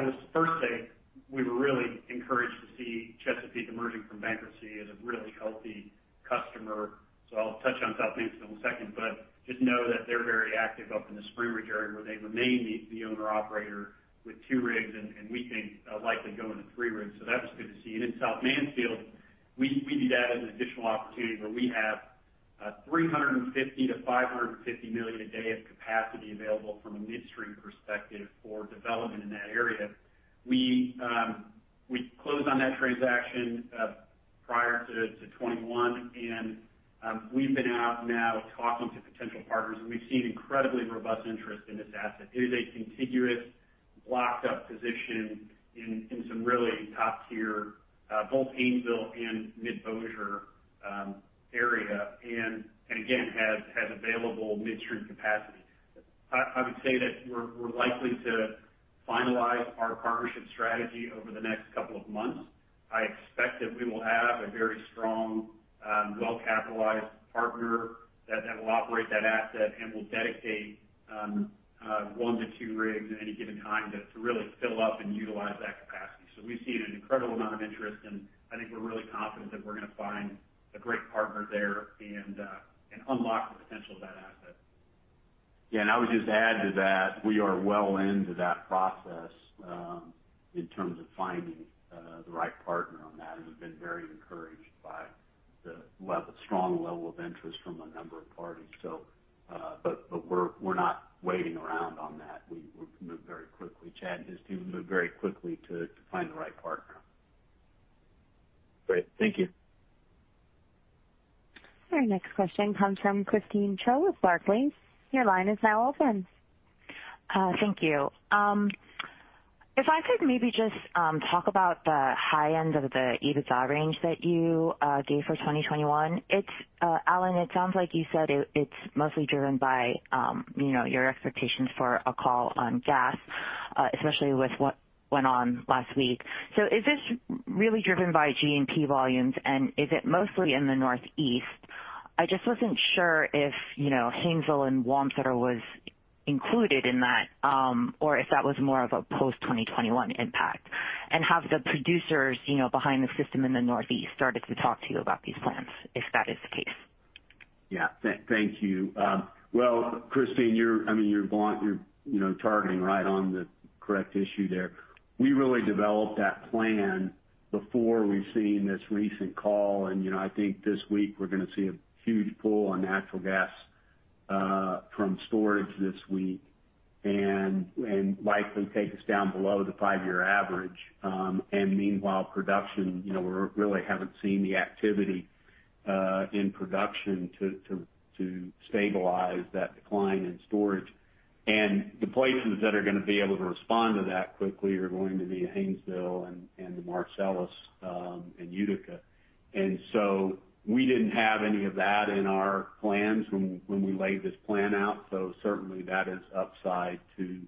will first say we were really encouraged to see Chesapeake emerging from bankruptcy as a really healthy customer. I'll touch on South Mansfield in a second, but just know that they're very active up in the Spring Ridge area, where they remain the owner-operator with two rigs, and we think likely going to three rigs. That was good to see. In South Mansfield, we view that as an additional opportunity where we have $350 million-$550 million a day of capacity available from a midstream perspective for development in that area. We closed on that transaction prior to 2021. We've been out now talking to potential partners, and we've seen incredibly robust interest in this asset. It is a contiguous, locked-up position in some really top tier, both Haynesville and Mid-Bossier area. Again, has available midstream capacity. I would say that we're likely to finalize our partnership strategy over the next couple of months. I expect that we will have a very strong, well-capitalized partner that will operate that asset and will dedicate one to two rigs at any given time to really fill up and utilize that capacity. We've seen an incredible amount of interest, and I think we're really confident that we're going to find a great partner there and unlock the potential of that asset. I would just add to that, we are well into that process in terms of finding the right partner on that. We've been very encouraged by the strong level of interest from a number of parties. We're not waiting around on that. We've moved very quickly. Chad and his team moved very quickly to find the right partner. Great. Thank you. Our next question comes from Christine Cho with Barclays. Your line is now open. Thank you. If I could maybe just talk about the high end of the EBITDA range that you gave for 2021. Alan, it sounds like you said it's mostly driven by your expectations for a call on gas, especially with what went on last week. Is this really driven by G&P volumes, and is it mostly in the Northeast? I just wasn't sure if Haynesville and Wamsutter was included in that, or if that was more of a post 2021 impact. Have the producers behind the system in the Northeast started to talk to you about these plans, if that is the case? Yeah. Thank you. Well, Christine, you're targeting right on the correct issue there. We really developed that plan before we've seen this recent call. I think this week we're going to see a huge pull on natural gas from storage this week, likely take us down below the five-year average. Meanwhile, production, we really haven't seen the activity in production to stabilize that decline in storage. The places that are going to be able to respond to that quickly are going to be Haynesville and the Marcellus and Utica. We didn't have any of that in our plans when we laid this plan out. Certainly that is upside to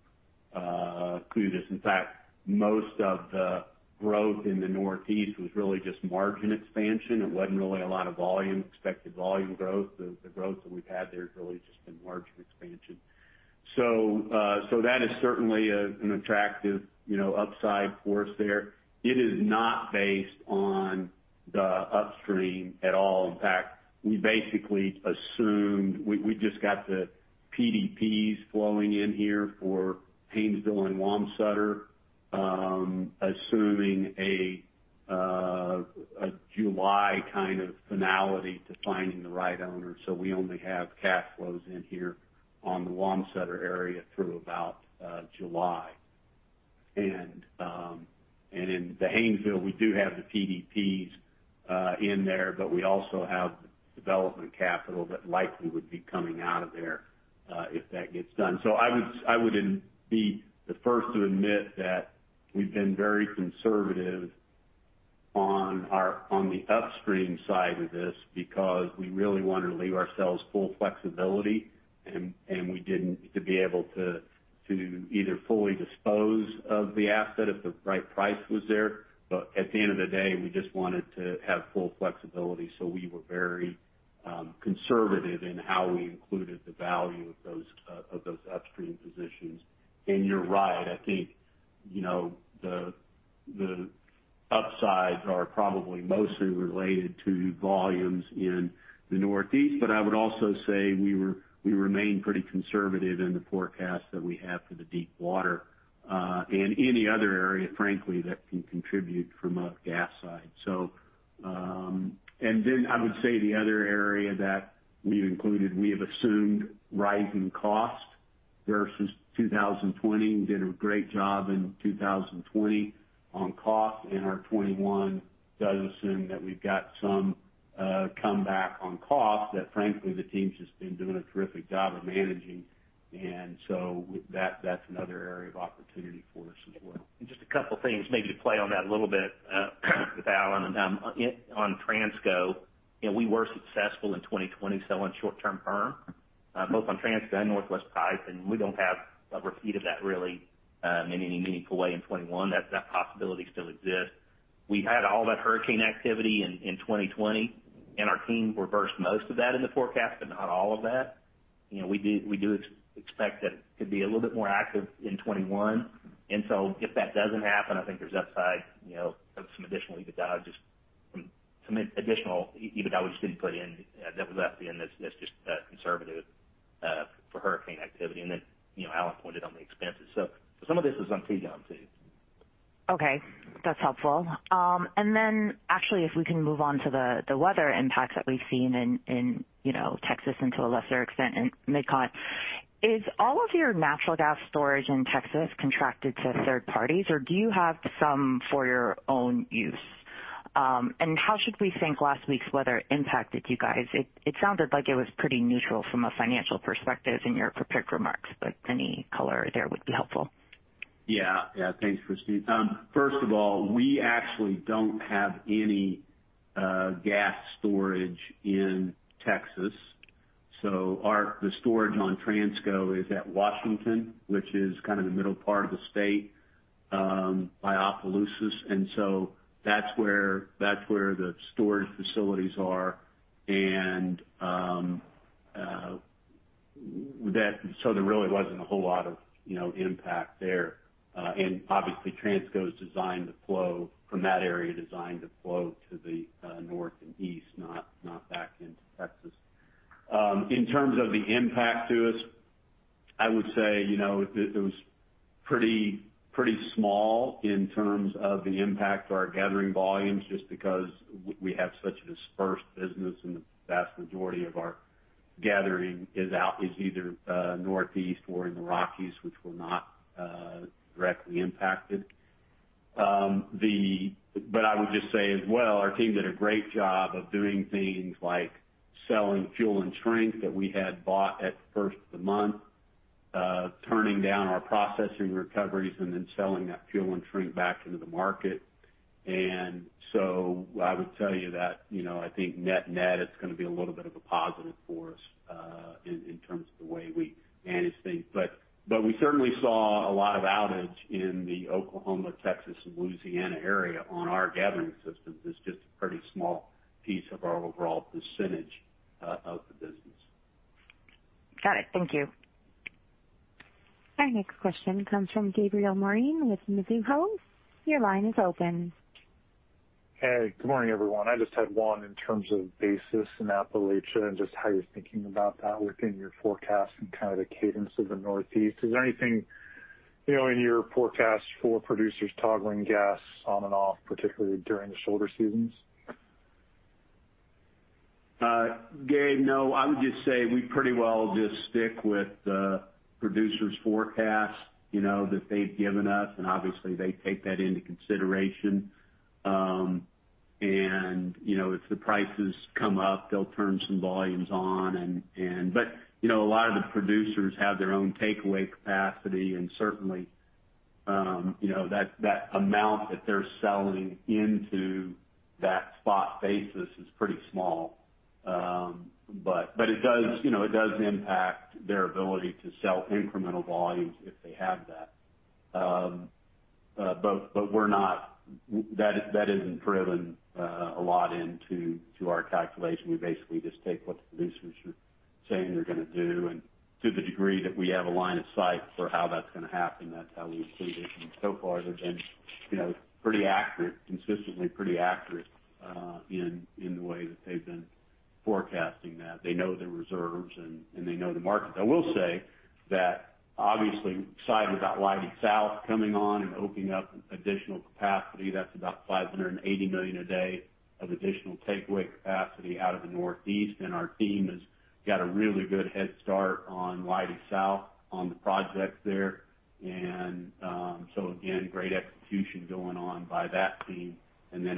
this. In fact, most of the growth in the Northeast was really just margin expansion. It wasn't really a lot of expected volume growth. The growth that we've had there has really just been margin expansion. That is certainly an attractive upside for us there. It is not based on the upstream at all. In fact, we just got the PDPs flowing in here for Haynesville and Wamsutter, assuming a July kind of finality to finding the right owner. We only have cash flows in here on the Wamsutter area through about July. In the Haynesville, we do have the PDPs in there, but we also have development capital that likely would be coming out of there if that gets done. I would be the first to admit that we've been very conservative on the upstream side of this because we really want to leave ourselves full flexibility, to be able to either fully dispose of the asset if the right price was there. At the end of the day, we just wanted to have full flexibility, so we were very conservative in how we included the value of those upstream positions. You're right, I think, the upsides are probably mostly related to volumes in the Northeast. I would also say we remain pretty conservative in the forecast that we have for the deepwater, and any other area, frankly, that can contribute from a gas side. Then I would say the other area that we've included, we have assumed rising cost versus 2020. We did a great job in 2020 on cost, and our 2021 does assume that we've got some comeback on cost that frankly, the team's just been doing a terrific job of managing. So that's another area of opportunity for us as well. Just a couple of things, maybe to play on that a little bit, with Alan. On Transco, we were successful in 2020. On short-term firm, both on Transco and Northwest Pipeline, we don't have a repeat of that really in any meaningful way in 2021. That possibility still exists. We had all that hurricane activity in 2020, and our teams reversed most of that in the forecast, but not all of that. We do expect that to be a little bit more active in 2021. If that doesn't happen, I think there's upside of some additional EBITDA we just didn't put in that was at the end that's just conservative for hurricane activity. Then, Alan pointed out the expenses. Some of this is on Tejas too. Okay, that's helpful. Then actually, if we can move on to the weather impacts that we've seen in Texas and to a lesser extent in MidCont. Is all of your natural gas storage in Texas contracted to third parties, or do you have some for your own use? How should we think last week's weather impacted you guys? It sounded like it was pretty neutral from a financial perspective in your prepared remarks, but any color there would be helpful. Thanks, Christine. First of all, we actually don't have any gas storage in Texas. The storage on Transco is at Washington, which is kind of the middle part of the state, by Opelousas. That's where the storage facilities are, there really wasn't a whole lot of impact there. Obviously Transco's designed to flow from that area, designed to flow to the North and East, not back into Texas. In terms of the impact to us, I would say, it was pretty small in terms of the impact to our gathering volumes, just because we have such a dispersed business and the vast majority of our gathering is either Northeast or in the Rockies, which were not directly impacted. I would just say as well, our team did a great job of doing things like selling fuel and shrink that we had bought at the first of the month. Turning down our processing recoveries and then selling that fuel and shrink back into the market. I would tell you that, I think net-net, it's going to be a little bit of a positive for us in terms of the way we manage things. We certainly saw a lot of outage in the Oklahoma, Texas, and Louisiana area on our gathering systems. It's just a pretty small piece of our overall percentage of the business. Got it. Thank you. Our next question comes from Gabriel Moreen with Mizuho. Your line is open. Hey, good morning, everyone. I just had one in terms of basis in Appalachia and just how you're thinking about that within your forecast and kind of the cadence of the Northeast. Is there anything, in your forecast for producers toggling gas on and off, particularly during the shoulder seasons? Gabe, no. I would just say we pretty well just stick with the producers' forecast that they've given us, obviously, they take that into consideration. If the prices come up, they'll turn some volumes on. A lot of the producers have their own takeaway capacity, and certainly, that amount that they're selling into that spot basis is pretty small. It does impact their ability to sell incremental volumes if they have that. That isn't driven a lot into our calculation. We basically just take what the producers are saying they're going to do, and to the degree that we have a line of sight for how that's going to happen, that's how we include it. So far, they've been pretty accurate, consistently pretty accurate in the way that they've been forecasting that. They know the reserves, and they know the markets. I will say that obviously we're excited about Leidy South coming on and opening up additional capacity. That's about 580 million a day of additional takeaway capacity out of the Northeast. Our team has got a really good head start on Leidy South on the projects there. Again, great execution going on by that team.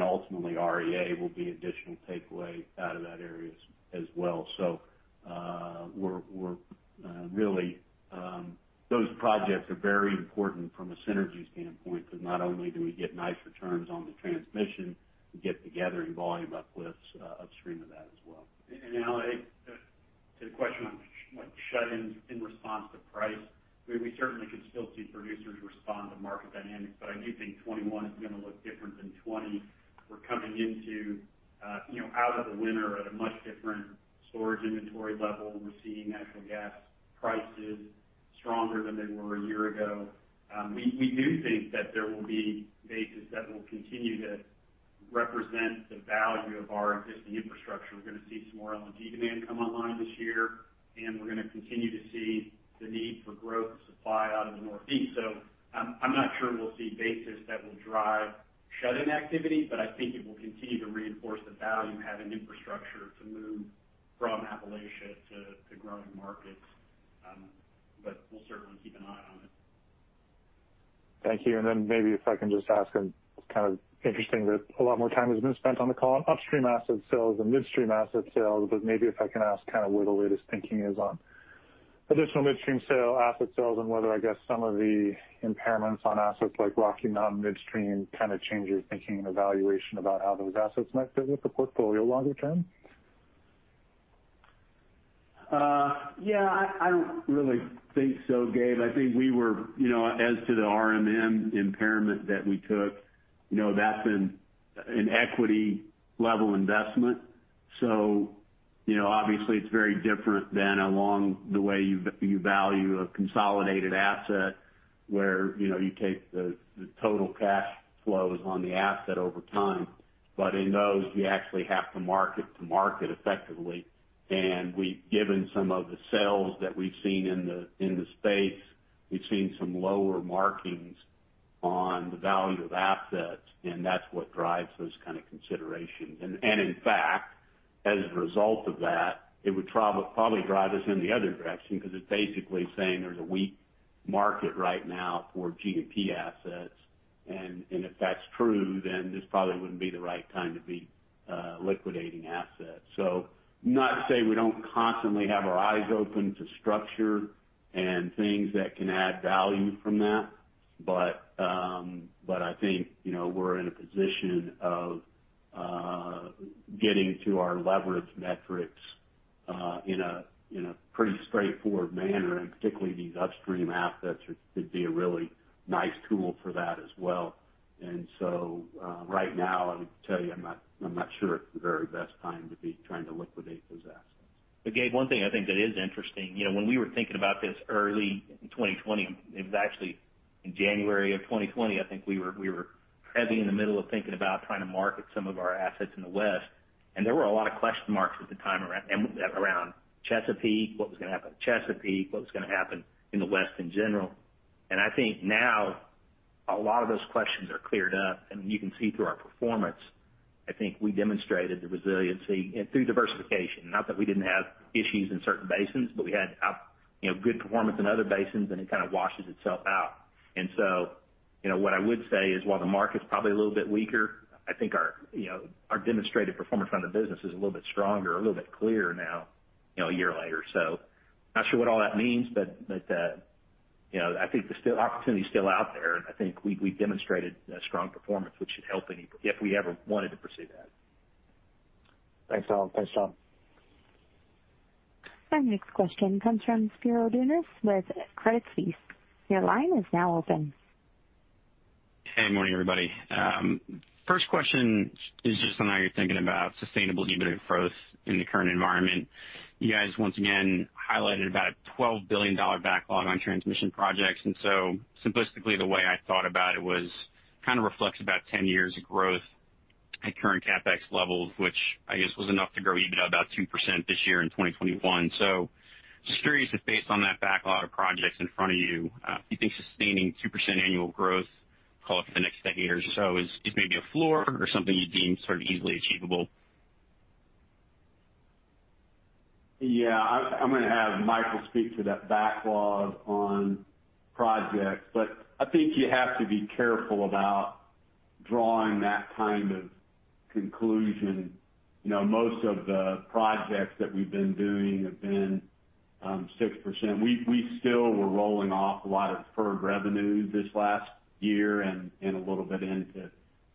Ultimately, REA will be additional takeaway out of that area as well. Those projects are very important from a synergy standpoint, because not only do we get nice returns on the transmission, we get the gathering volume uplifts upstream of that as well. And now to the question on shut-ins in response to price, we certainly could still see producers respond to market dynamics, but I do think 2021 is going to look different than 2020. We're coming out of the winter at a much different storage inventory level. We're seeing natural gas prices stronger than they were a year ago. We do think that there will be basins that will continue to represent the value of our existing infrastructure. We're going to see some more LNG demand come online this year, and we're going to continue to see the need for growth and supply out of the Northeast. I'm not sure we'll see basins that will drive shut-in activity, but I think it will continue to reinforce the value of having infrastructure to move from Appalachia to growing markets. We'll certainly keep an eye on it. Thank you. Maybe if I can just ask, and it's kind of interesting that a lot more time has been spent on the call on upstream asset sales than midstream asset sales, but maybe if I can ask kind of where the latest thinking is on additional midstream sale, asset sales, and whether, I guess, some of the impairments on assets like Rocky Mountain Midstream kind of change your thinking and evaluation about how those assets might fit with the portfolio longer-term? Yeah, I don't really think so, Gabe. I think as to the RMM impairment that we took, that's been an equity-level investment. Obviously, it's very different than along the way you value a consolidated asset where you take the total cash flows on the asset over time. In those, you actually have to market-to-market effectively. Given some of the sales that we've seen in the space, we've seen some lower markings on the value of assets, and that's what drives those kind of considerations. In fact, as a result of that, it would probably drive us in the other direction because it's basically saying there's a weak market right now for G&P assets. If that's true, then this probably wouldn't be the right time to be liquidating assets. Not to say we don't constantly have our eyes open to structure and things that can add value from that, but I think we're in a position of getting to our leverage metrics in a pretty straightforward manner, and particularly these upstream assets could be a really nice tool for that as well. Right now, I would tell you, I'm not sure it's the very best time to be trying to liquidate those assets. Gabe, one thing I think that is interesting, when we were thinking about this early in 2020, it was actually in January of 2020, I think we were heavily in the middle of thinking about trying to market some of our assets in the West. There were a lot of question marks at the time around Chesapeake, what was going to happen with Chesapeake, what was going to happen in the West in general. I think now a lot of those questions are cleared up, and you can see through our performance, I think we demonstrated the resiliency through diversification. Not that we didn't have issues in certain basins, but we had good performance in other basins, and it kind of washes itself out. What I would say is, while the market's probably a little bit weaker, I think our demonstrated performance on the business is a little bit stronger, a little bit clearer now a year later. I'm not sure what all that means, but I think the opportunity is still out there, and I think we've demonstrated a strong performance, which should help if we ever wanted to pursue that. Thanks, Al. Thanks, John. Our next question comes from Spiro Dounis with Credit Suisse. Your line is now open. Hey, morning, everybody. First question is just on how you're thinking about sustainable EBITDA growth in the current environment. You guys once again highlighted about a $12 billion backlog on transmission projects, simplistically, the way I thought about it was kind of reflects about 10 years of growth at current CapEx levels, which I guess was enough to grow EBITDA about 2% this year in 2021. Just curious if based on that backlog of projects in front of you, do you think sustaining 2% annual growth call it for the next decade or so is maybe a floor or something you deem sort of easily achievable? Yeah. I'm going to have Micheal speak to that backlog on projects. I think you have to be careful about drawing that kind of conclusion. Most of the projects that we've been doing have been 6%. We still were rolling off a lot of deferred revenue this last year and a little bit into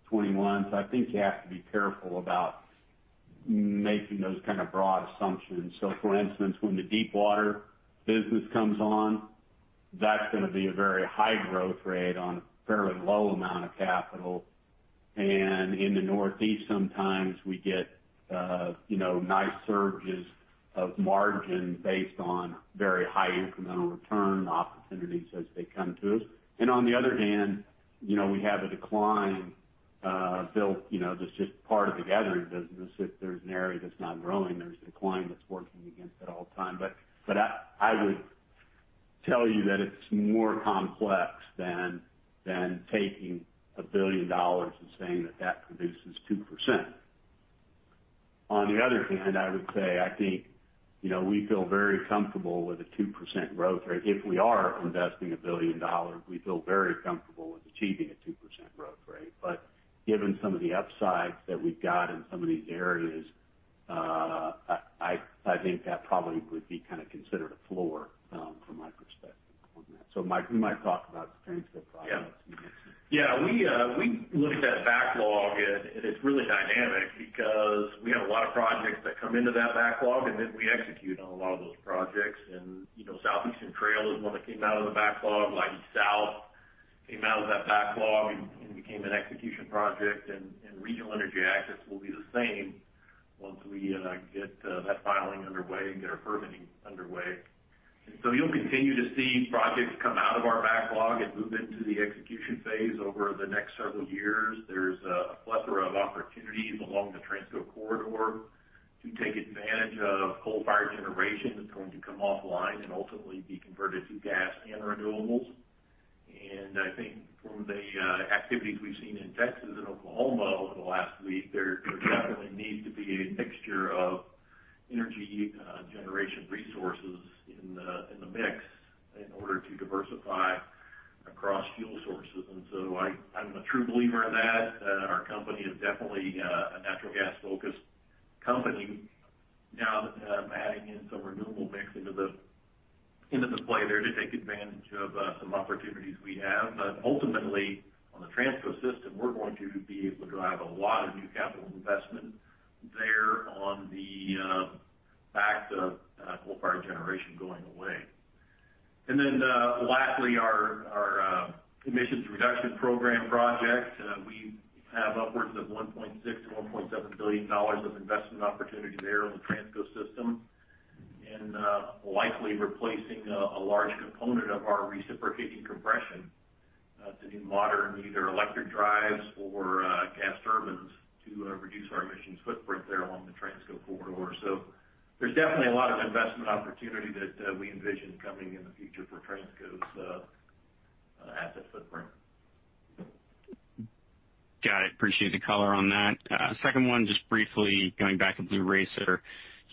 2021. I think you have to be careful about making those kind of broad assumptions. For instance, when the deepwater business comes on, that's going to be a very high growth rate on a fairly low amount of capital. In the Northeast, sometimes we get nice surges of margin based on very high incremental return opportunities as they come to us. On the other hand, we have a decline built that's just part of the gathering business. If there's an area that's not growing, there's decline that's working against it all the time. I would tell you that it's more complex than taking $1 billion and saying that that produces 2%. On the other hand, I would say, I think we feel very comfortable with a 2% growth rate. If we are investing $1 billion, we feel very comfortable with achieving a 2% growth rate. Given some of the upsides that we've got in some of these areas, I think that probably would be kind of considered a floor from my perspective on that. Mike, you might talk about the Transco projects you mentioned. Yeah. We look at that backlog and it's really dynamic because we have a lot of projects that come into that backlog, and then we execute on a lot of those projects. Southeastern Trail is one that came out of the backlog. Leidy South came out of that backlog and became an execution project. Regional Energy Access will be the same once we get that filing underway and get our permitting underway. You'll continue to see projects come out of our backlog and move into the execution phase over the next several years. There's a plethora of opportunities along the Transco corridor to take advantage of coal-fired generation that's going to come offline and ultimately be converted to gas and renewables. I think from the activities we've seen in Texas and Oklahoma over the last week, there definitely needs to be a mixture of energy generation resources in the mix in order to diversify across fuel sources. I'm a true believer in that. Our company is definitely a natural gas-focused company now adding in some renewable mix into the play there to take advantage of some opportunities we have. Ultimately, on the Transco system, we're going to be able to drive a lot of new capital investment there on the back of coal-fired generation going away. Lastly, our emissions reduction program project. We have upwards of $1.6 billion-$1.7 billion of investment opportunity there on the Transco system in likely replacing a large component of our reciprocating compression to do modern, either electric drives or gas turbines to reduce our emissions footprint there along the Transco corridor. There's definitely a lot of investment opportunity that we envision coming in the future for Transco's asset footprint. Got it. Appreciate the color on that. Second one, just briefly going back to Blue Racer.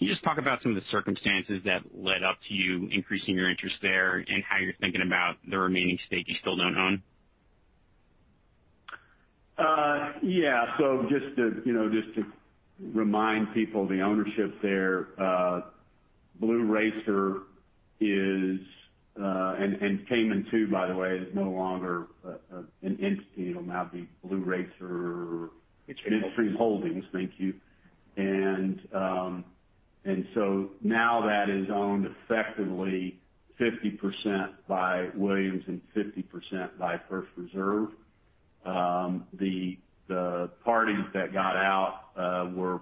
Can you just talk about some of the circumstances that led up to you increasing your interest there and how you're thinking about the remaining stake you still don't own? Yeah. Just to remind people, the ownership there. Blue Racer, by the way, is no longer an entity. It'll now be Blue Racer. Midstream Holdings. Midstream Holdings. Thank you. Now that is owned effectively 50% by Williams and 50% by First Reserve. The parties that got out were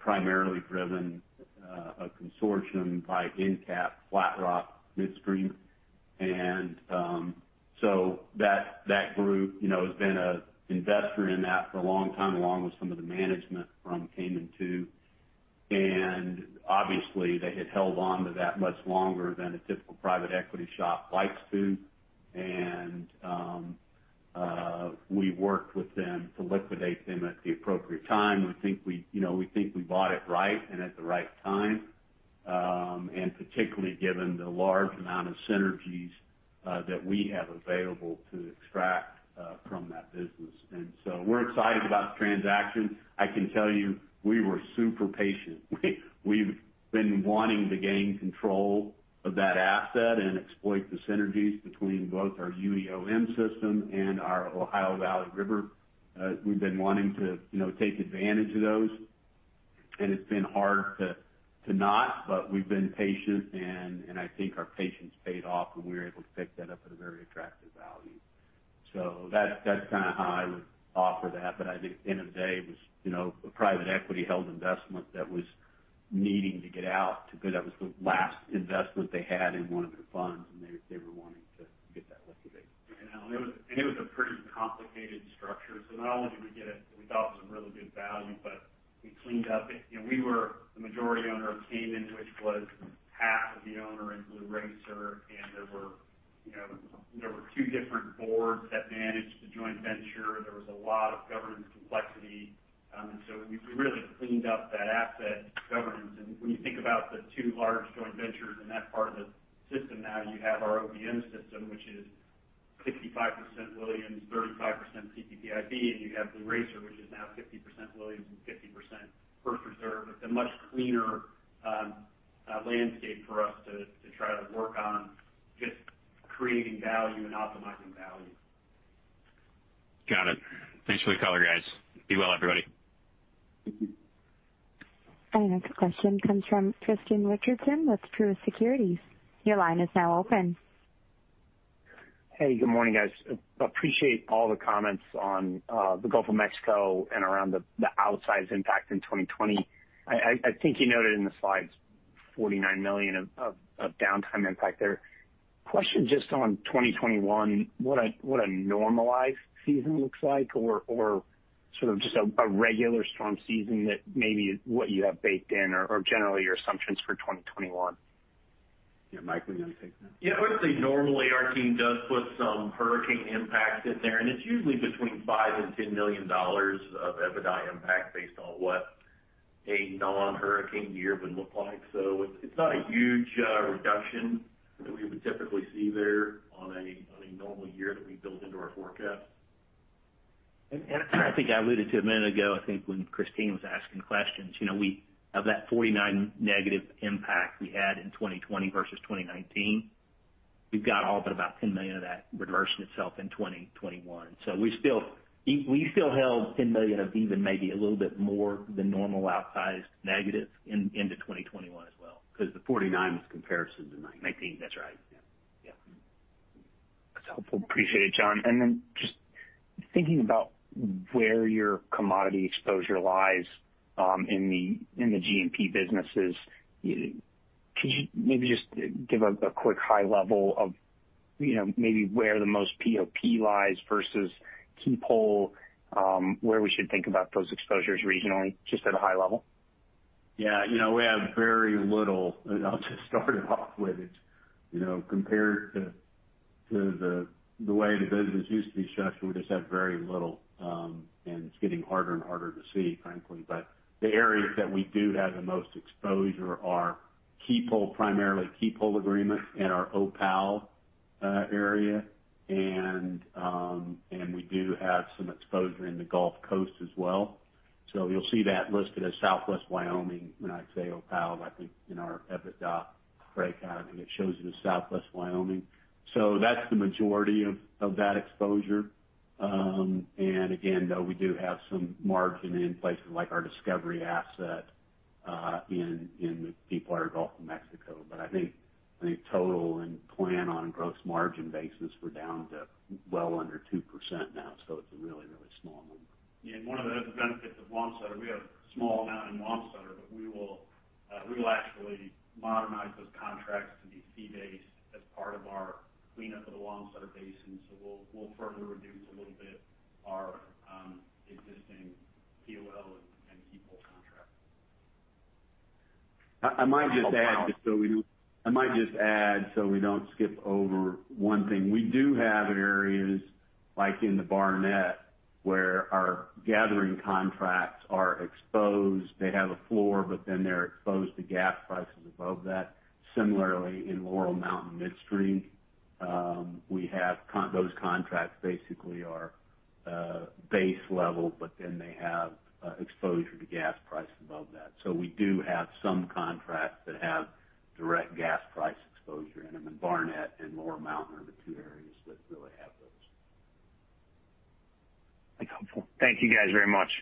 primarily driven, a consortium by EnCap Flatrock Midstream. That group has been an investor in that for a long time, along with some of the management from Caiman II. Obviously, they had held onto that much longer than a typical private equity shop likes to. We worked with them to liquidate them at the appropriate time. We think we bought it right and at the right time. Particularly given the large amount of synergies that we have available to extract from that business. We're excited about the transaction. I can tell you, we were super patient. We've been wanting to gain control of that asset and exploit the synergies between both our UEOM system and our Ohio Valley River. We've been wanting to take advantage of those, and it's been hard to not, but we've been patient, and I think our patience paid off when we were able to pick that up at a very attractive value. That's kind of how I would offer that. I think at the end of the day, it was a private equity-held investment that was needing to get out because that was the last investment they had in one of their funds, and they were wanting to get that liquidated. It was a pretty complicated structure. Not only did we get it that we thought was a really good value, but We were the majority owner of Caiman, which was half of the owner in Blue Racer, and there were two different boards that managed the joint venture. There was a lot of governance complexity. We really cleaned up that asset governance. When you think about the two large joint ventures in that part of the system now, you have our OVM system, which is 65% Williams, 35% CPPIB, and you have Blue Racer, which is now 50% Williams and 50% First Reserve. It's a much cleaner landscape for us to try to work on just creating value and optimizing value. Got it. Thanks for the color, guys. Be well, everybody. Our next question comes from Tristan Richardson with Truist Securities. Your line is now open. Hey, good morning, guys. Appreciate all the comments on the Gulf of Mexico and around the outsized impact in 2020. I think you noted in the slides $49 million of downtime impact there. Question just on 2021, what a normalized season looks like or sort of just a regular storm season that maybe what you have baked in or generally your assumptions for 2021? Yeah. Micheal, you want to take that? I would say normally our team does put some hurricane impact in there, and it's usually between $5 million and $10 million of EBITDA impact based on what a non-hurricane year would look like. It's not a huge reduction that we would typically see there on a normal year that we build into our forecast. I think I alluded to it a minute ago, I think when Christine was asking questions. Of that $49- impact we had in 2020 versus 2019, we've got all but about $10 million of that reversing itself in 2021. We still held $10 million of even maybe a little bit more than normal outsized negative into 2021 as well. The $49 was comparison to 2019. That's right. Yeah. Yeah. That's helpful. Appreciate it, John. Just thinking about where your commodity exposure lies in the G&P businesses, could you maybe just give a quick high level of maybe where the most POP lies versus keep whole, where we should think about those exposures regionally, just at a high level? We have very little, I'll just start it off with it, compared to the way the business used to be structured, we just have very little, and it's getting harder and harder to see, frankly. The areas that we do have the most exposure are keep whole, primarily keep whole agreement in our Opal area. We do have some exposure in the Gulf Coast as well. You'll see that listed as Southwest Wyoming. When I say Opal, I think in our EBITDA breakout, I think it shows it as Southwest Wyoming. That's the majority of that exposure. Again, though, we do have some margin in places like our Discovery asset, in the deepwater Gulf of Mexico. I think total and plan on a gross margin basis, we're down to well under 2% now, so it's a really, really small number. Yeah. One of the other benefits of Wamsutter, we have a small amount in Wamsutter, but we will actually modernize those contracts to be fee-based as part of our cleanup of the Wamsutter basin. We'll further reduce a little bit our existing POP and keep whole contracts. I might just add, we don't skip over one thing. We do have areas like in the Barnett where our gathering contracts are exposed. They have a floor, they're exposed to gas prices above that. Similarly, in Laurel Mountain Midstream, those contracts basically are base level, they have exposure to gas prices above that. We do have some contracts that have direct gas price exposure in them, and Barnett and Laurel Mountain are the two areas that really have those. Very helpful. Thank you guys very much.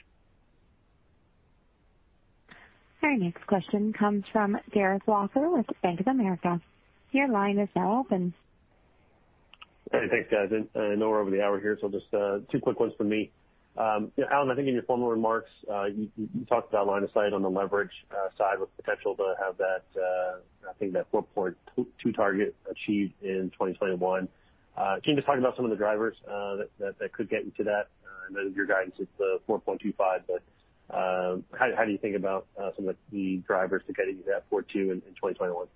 Our next question comes from Derek Walker with Bank of America. Your line is now open. Hey, thanks, guys. I know we're over the hour here, just two quick ones from me. Alan, I think in your formal remarks, you talked about line of sight on the leverage side with potential to have that, I think that 4.2 target achieved in 2021. Can you just talk about some of the drivers that could get you to that? I know your guidance is 4.25, how do you think about some of the key drivers to getting you to that 4.2 in 2021?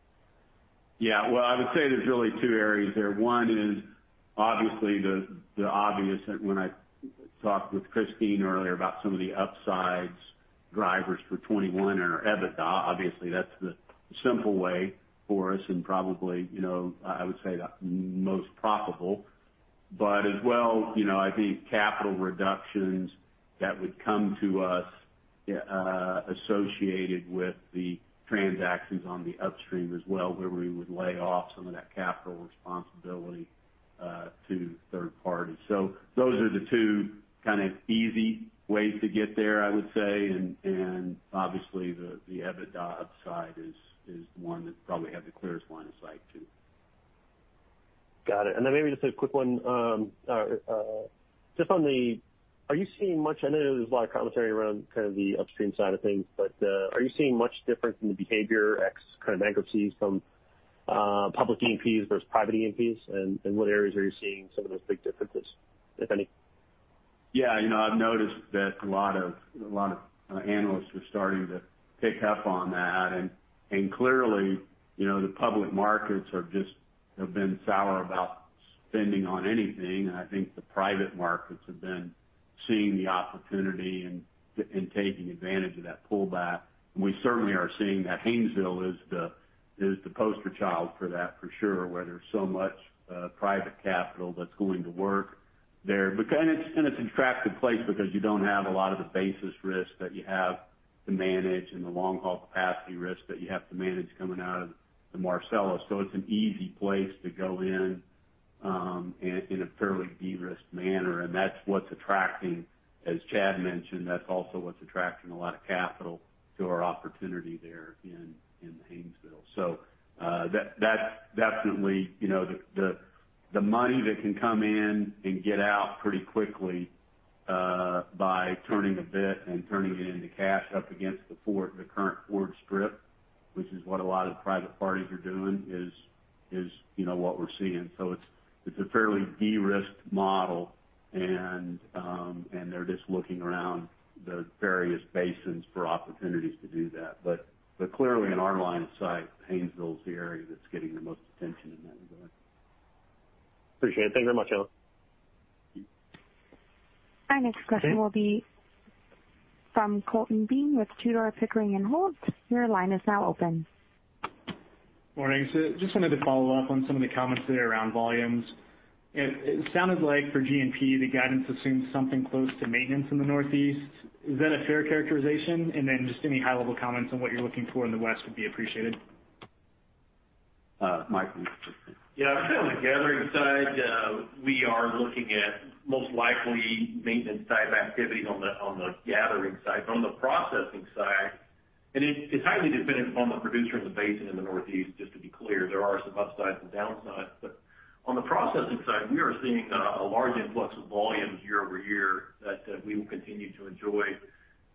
I would say there's really two areas there. One is obviously the obvious, when I talked with Christine earlier about some of the upsides drivers for 2021 and our EBITDA. That's the simple way for us and probably, I would say the most profitable. As well, I think capital reductions that would come to us associated with the transactions on the upstream as well, where we would lay off some of that capital responsibility to third parties. Those are the two kind of easy ways to get there, I would say. Obviously, the EBITDA upside is the one that probably has the clearest line of sight too. Got it. Maybe just a quick one. I know there's a lot of commentary around kind of the upstream side of things, but are you seeing much difference in the behavior, X kind of bankruptcies from public E&Ps versus private E&Ps? In what areas are you seeing some of those big differences, if any? Yeah. I've noticed that a lot of analysts are starting to pick up on that. Clearly, the public markets have been sour about spending on anything. I think the private markets have been seeing the opportunity and taking advantage of that pullback. We certainly are seeing that Haynesville is the poster child for that for sure, where there's so much private capital that's going to work there. It's an attractive place because you don't have a lot of the basis risk that you have to manage and the long-haul capacity risk that you have to manage coming out of the Marcellus. It's an easy place to go in a fairly de-risked manner. That's what's attracting, as Chad mentioned, that's also what's attracting a lot of capital to our opportunity there in Haynesville. That's definitely the money that can come in and get out pretty quickly, by turning a bit and turning it into cash up against the current forward strip, which is what a lot of the private parties are doing, is what we're seeing. It's a fairly de-risked model, and they're just looking around the various basins for opportunities to do that. Clearly in our line of sight, Haynesville is the area that's getting the most attention in that regard. Appreciate it. Thank you very much, Alan. Our next question will be from Colton Bean with Tudor, Pickering, Holt. Your line is now open. Morning. Just wanted to follow-up on some of the comments today around volumes. It sounded like for G&P, the guidance assumes something close to maintenance in the Northeast. Is that a fair characterization? Then just any high-level comments on what you're looking for in the West would be appreciated. Mike, you can take this. Yeah, I'd say on the gathering side, we are looking at most likely maintenance type activities on the gathering side. On the processing side, it's highly dependent upon the producer in the basin in the Northeast, just to be clear. There are some upsides and downsides. On the processing side, we are seeing a large influx of volumes year-over-year that we will continue to enjoy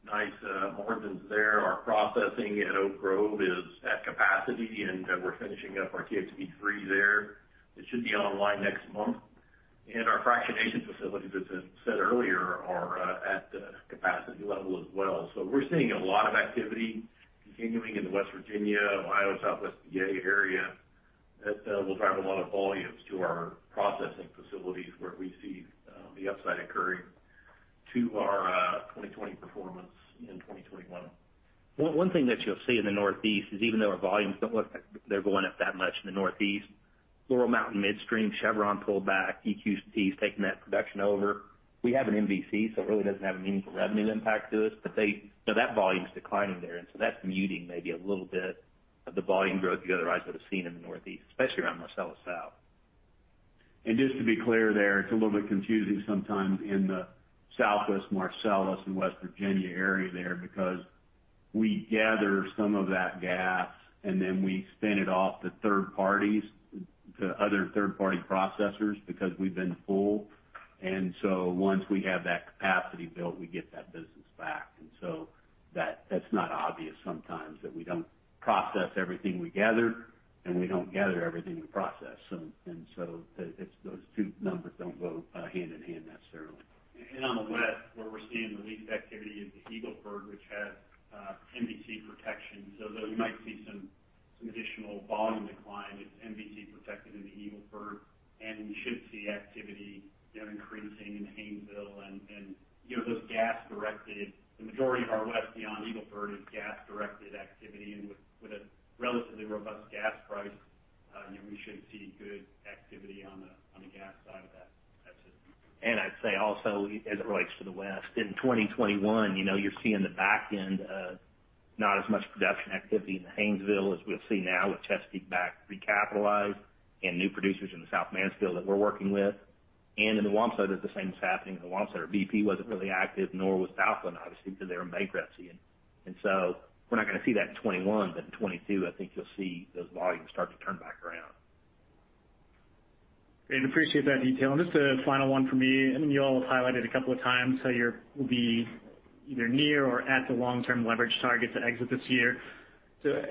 nice margins there. Our processing at Oak Grove is at capacity, and we're finishing up our CAFB3 there, which should be online next month. Our fractionation facilities, as said earlier, are at capacity level as well. We're seeing a lot of activity continuing in West Virginia, Ohio, Southwest Bay area that will drive a lot of volumes to our processing facilities where we see the upside occurring to our 2020 performance in 2021. One thing that you'll see in the Northeast is even though our volumes don't look like they're going up that much in the Northeast, Laurel Mountain Midstream, Chevron pulled back, EQT's taking that production over. We have an MVC, so it really doesn't have a meaningful revenue impact to us. That volume's declining there, and so that's muting maybe a little bit of the volume growth you otherwise would've seen in the Northeast, especially around Marcellus South. Just to be clear there, it's a little bit confusing sometimes in the Southwest Marcellus and West Virginia area there, because we gather some of that gas and then we spin it off to third parties, to other third-party processors, because we've been full. Once we have that capacity built, we get that business back. That's not obvious sometimes, that we don't process everything we gather, and we don't gather everything we process. Those two numbers don't go hand in hand necessarily. On the west, where we're seeing the least activity is the Eagle Ford, which has MVC protection. Though you might see some additional volume decline, it's MVC protected in the Eagle Ford. We should see activity increasing in Haynesville. The majority of our west beyond Eagle Ford is gas-directed activity. With a relatively robust gas price, we should see good activity on the gas side of that. I'd say also, as it relates to the west, in 2021, you're seeing the back end of not as much production activity in the Haynesville as we'll see now with Chesapeake back recapitalized and new producers in the South Mansfield that we're working with. In the Wamsutter the same is happening in the Wamsutter. BP wasn't really active, nor was Marathon, obviously, because they were in bankruptcy. We're not going to see that in 2021, but in 2022, I think you'll see those volumes start to turn back around. Great. Appreciate that detail. Just a final one from me. I know you all have highlighted a couple of times how you'll be either near or at the long-term leverage target to exit this year.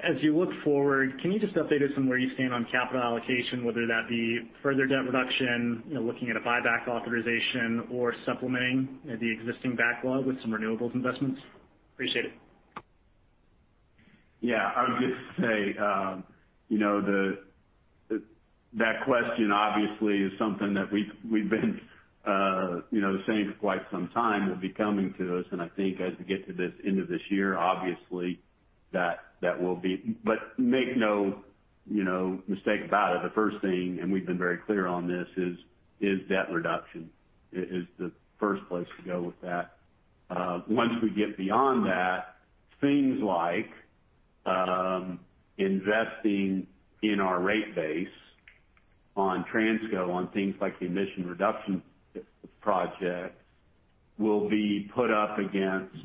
As you look forward, can you just update us on where you stand on capital allocation, whether that be further debt reduction, looking at a buyback authorization or supplementing maybe existing backlog with some renewables investments? Appreciate it. Yeah, I would just say that question obviously is something that we've been saying for quite some time will be coming to us, and I think as we get to the end of this year, obviously. Make no mistake about it, the first thing, and we've been very clear on this, is debt reduction is the first place to go with that. Once we get beyond that, things like investing in our rate base on Transco, on things like the emission reduction project, will be put up against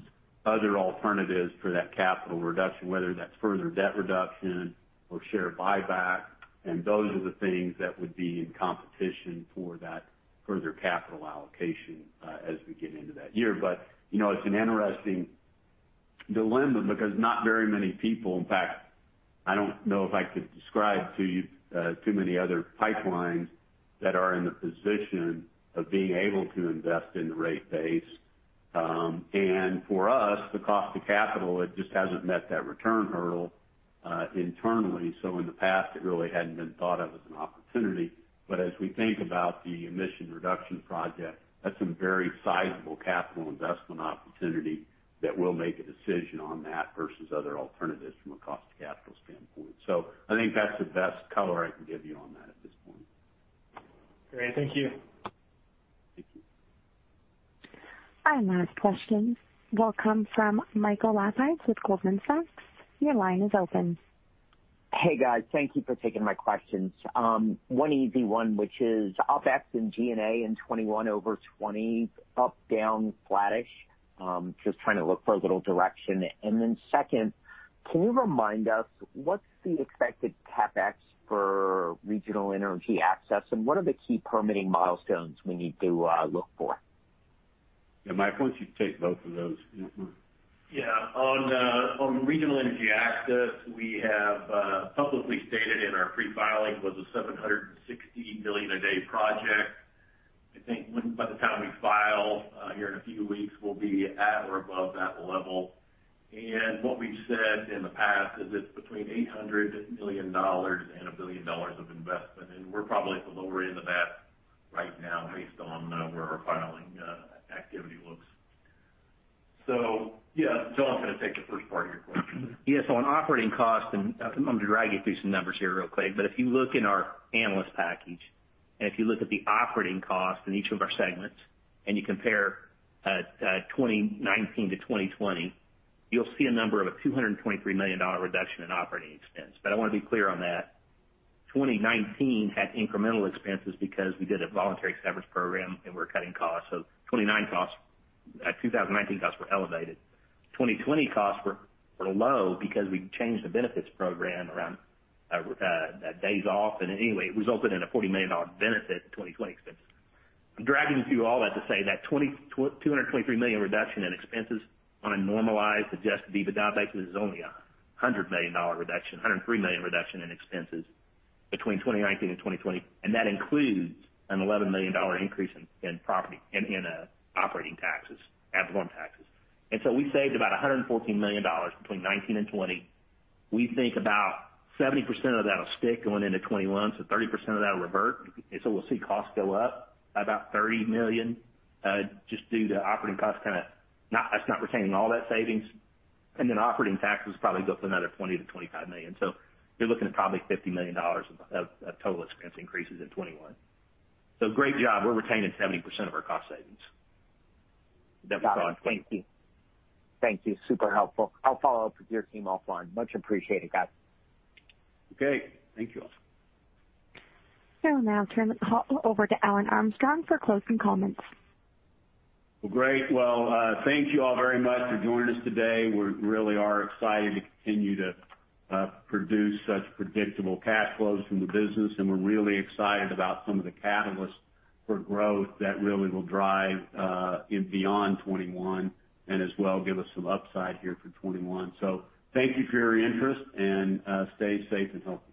other alternatives for that capital reduction, whether that's further debt reduction or share buyback. Those are the things that would be in competition for that further capital allocation as we get into that year. It's an interesting dilemma because not very many people, in fact, I don't know if I could describe to you too many other pipelines that are in the position of being able to invest in the rate base. For us, the cost of capital, it just hasn't met that return hurdle internally. In the past, it really hadn't been thought of as an opportunity. As we think about the emission reduction project, that's a very sizable capital investment opportunity that we'll make a decision on that versus other alternatives from a cost of capital standpoint. I think that's the best color I can give you on that at this point. Great. Thank you. Thank you. Our last question will come from Michael Lapides with Goldman Sachs. Your line is open. Hey, guys. Thank you for taking my questions. One easy one, which is OpEx in G&A in 2021 over 2020, up, down, flattish? Just trying to look for a little direction. Then second, can you remind us what's the expected CapEx for Regional Energy Access, and what are the key permitting milestones we need to look for? Mike, why don't you take both of those? Yeah. On Regional Energy Access, we have publicly stated in our pre-filing was a $760 million a day project. I think by the time we file here in a few weeks, we'll be at or above that level. What we've said in the past is it's between $800 million and $1 billion of investment, and we're probably at the lower end of that right now based on where our filing activity looks. Yeah, John is going to take the first part of your question. Yeah. On operating cost, and I am going to drag you through some numbers here real quick, but if you look in our analyst package, and if you look at the operating cost in each of our segments and you compare 2019 to 2020, you will see a number of a $223 million reduction in operating expense. I want to be clear on that. 2019 had incremental expenses because we did a voluntary severance program and we are cutting costs. 2019 costs were elevated. 2020 costs were low because we changed the benefits program around days off, and anyway, it resulted in a $40 million benefit in 2020 expenses. I'm dragging you through all that to say that $223 million reduction in expenses on a normalized, adjusted EBITDA basis is only $103 million reduction in expenses between 2019 and 2020. That includes an $11 million increase in operating taxes, ad valorem taxes. We saved about $114 million between 2019 and 2020. We think about 70% of that'll stick going into 2021, 30% of that'll revert. We'll see costs go up about $30 million, just due to operating costs, kind of us not retaining all that savings. Operating taxes probably go up another $20 million-$25 million. You're looking at probably $50 million of total expense increases in 2021. Great job. We're retaining 70% of our cost savings. Got it. Thank you. Thank you. Super helpful. I'll follow-up with your team offline. Much appreciated, guys. Okay, thank you all. Now I'll turn the call over to Alan Armstrong for closing comments. Well, great. Well, thank you all very much for joining us today. We really are excited to continue to produce such predictable cash flows from the business, and we're really excited about some of the catalysts for growth that really will drive beyond 2021 and as well give us some upside here for 2021. Thank you for your interest and stay safe and healthy.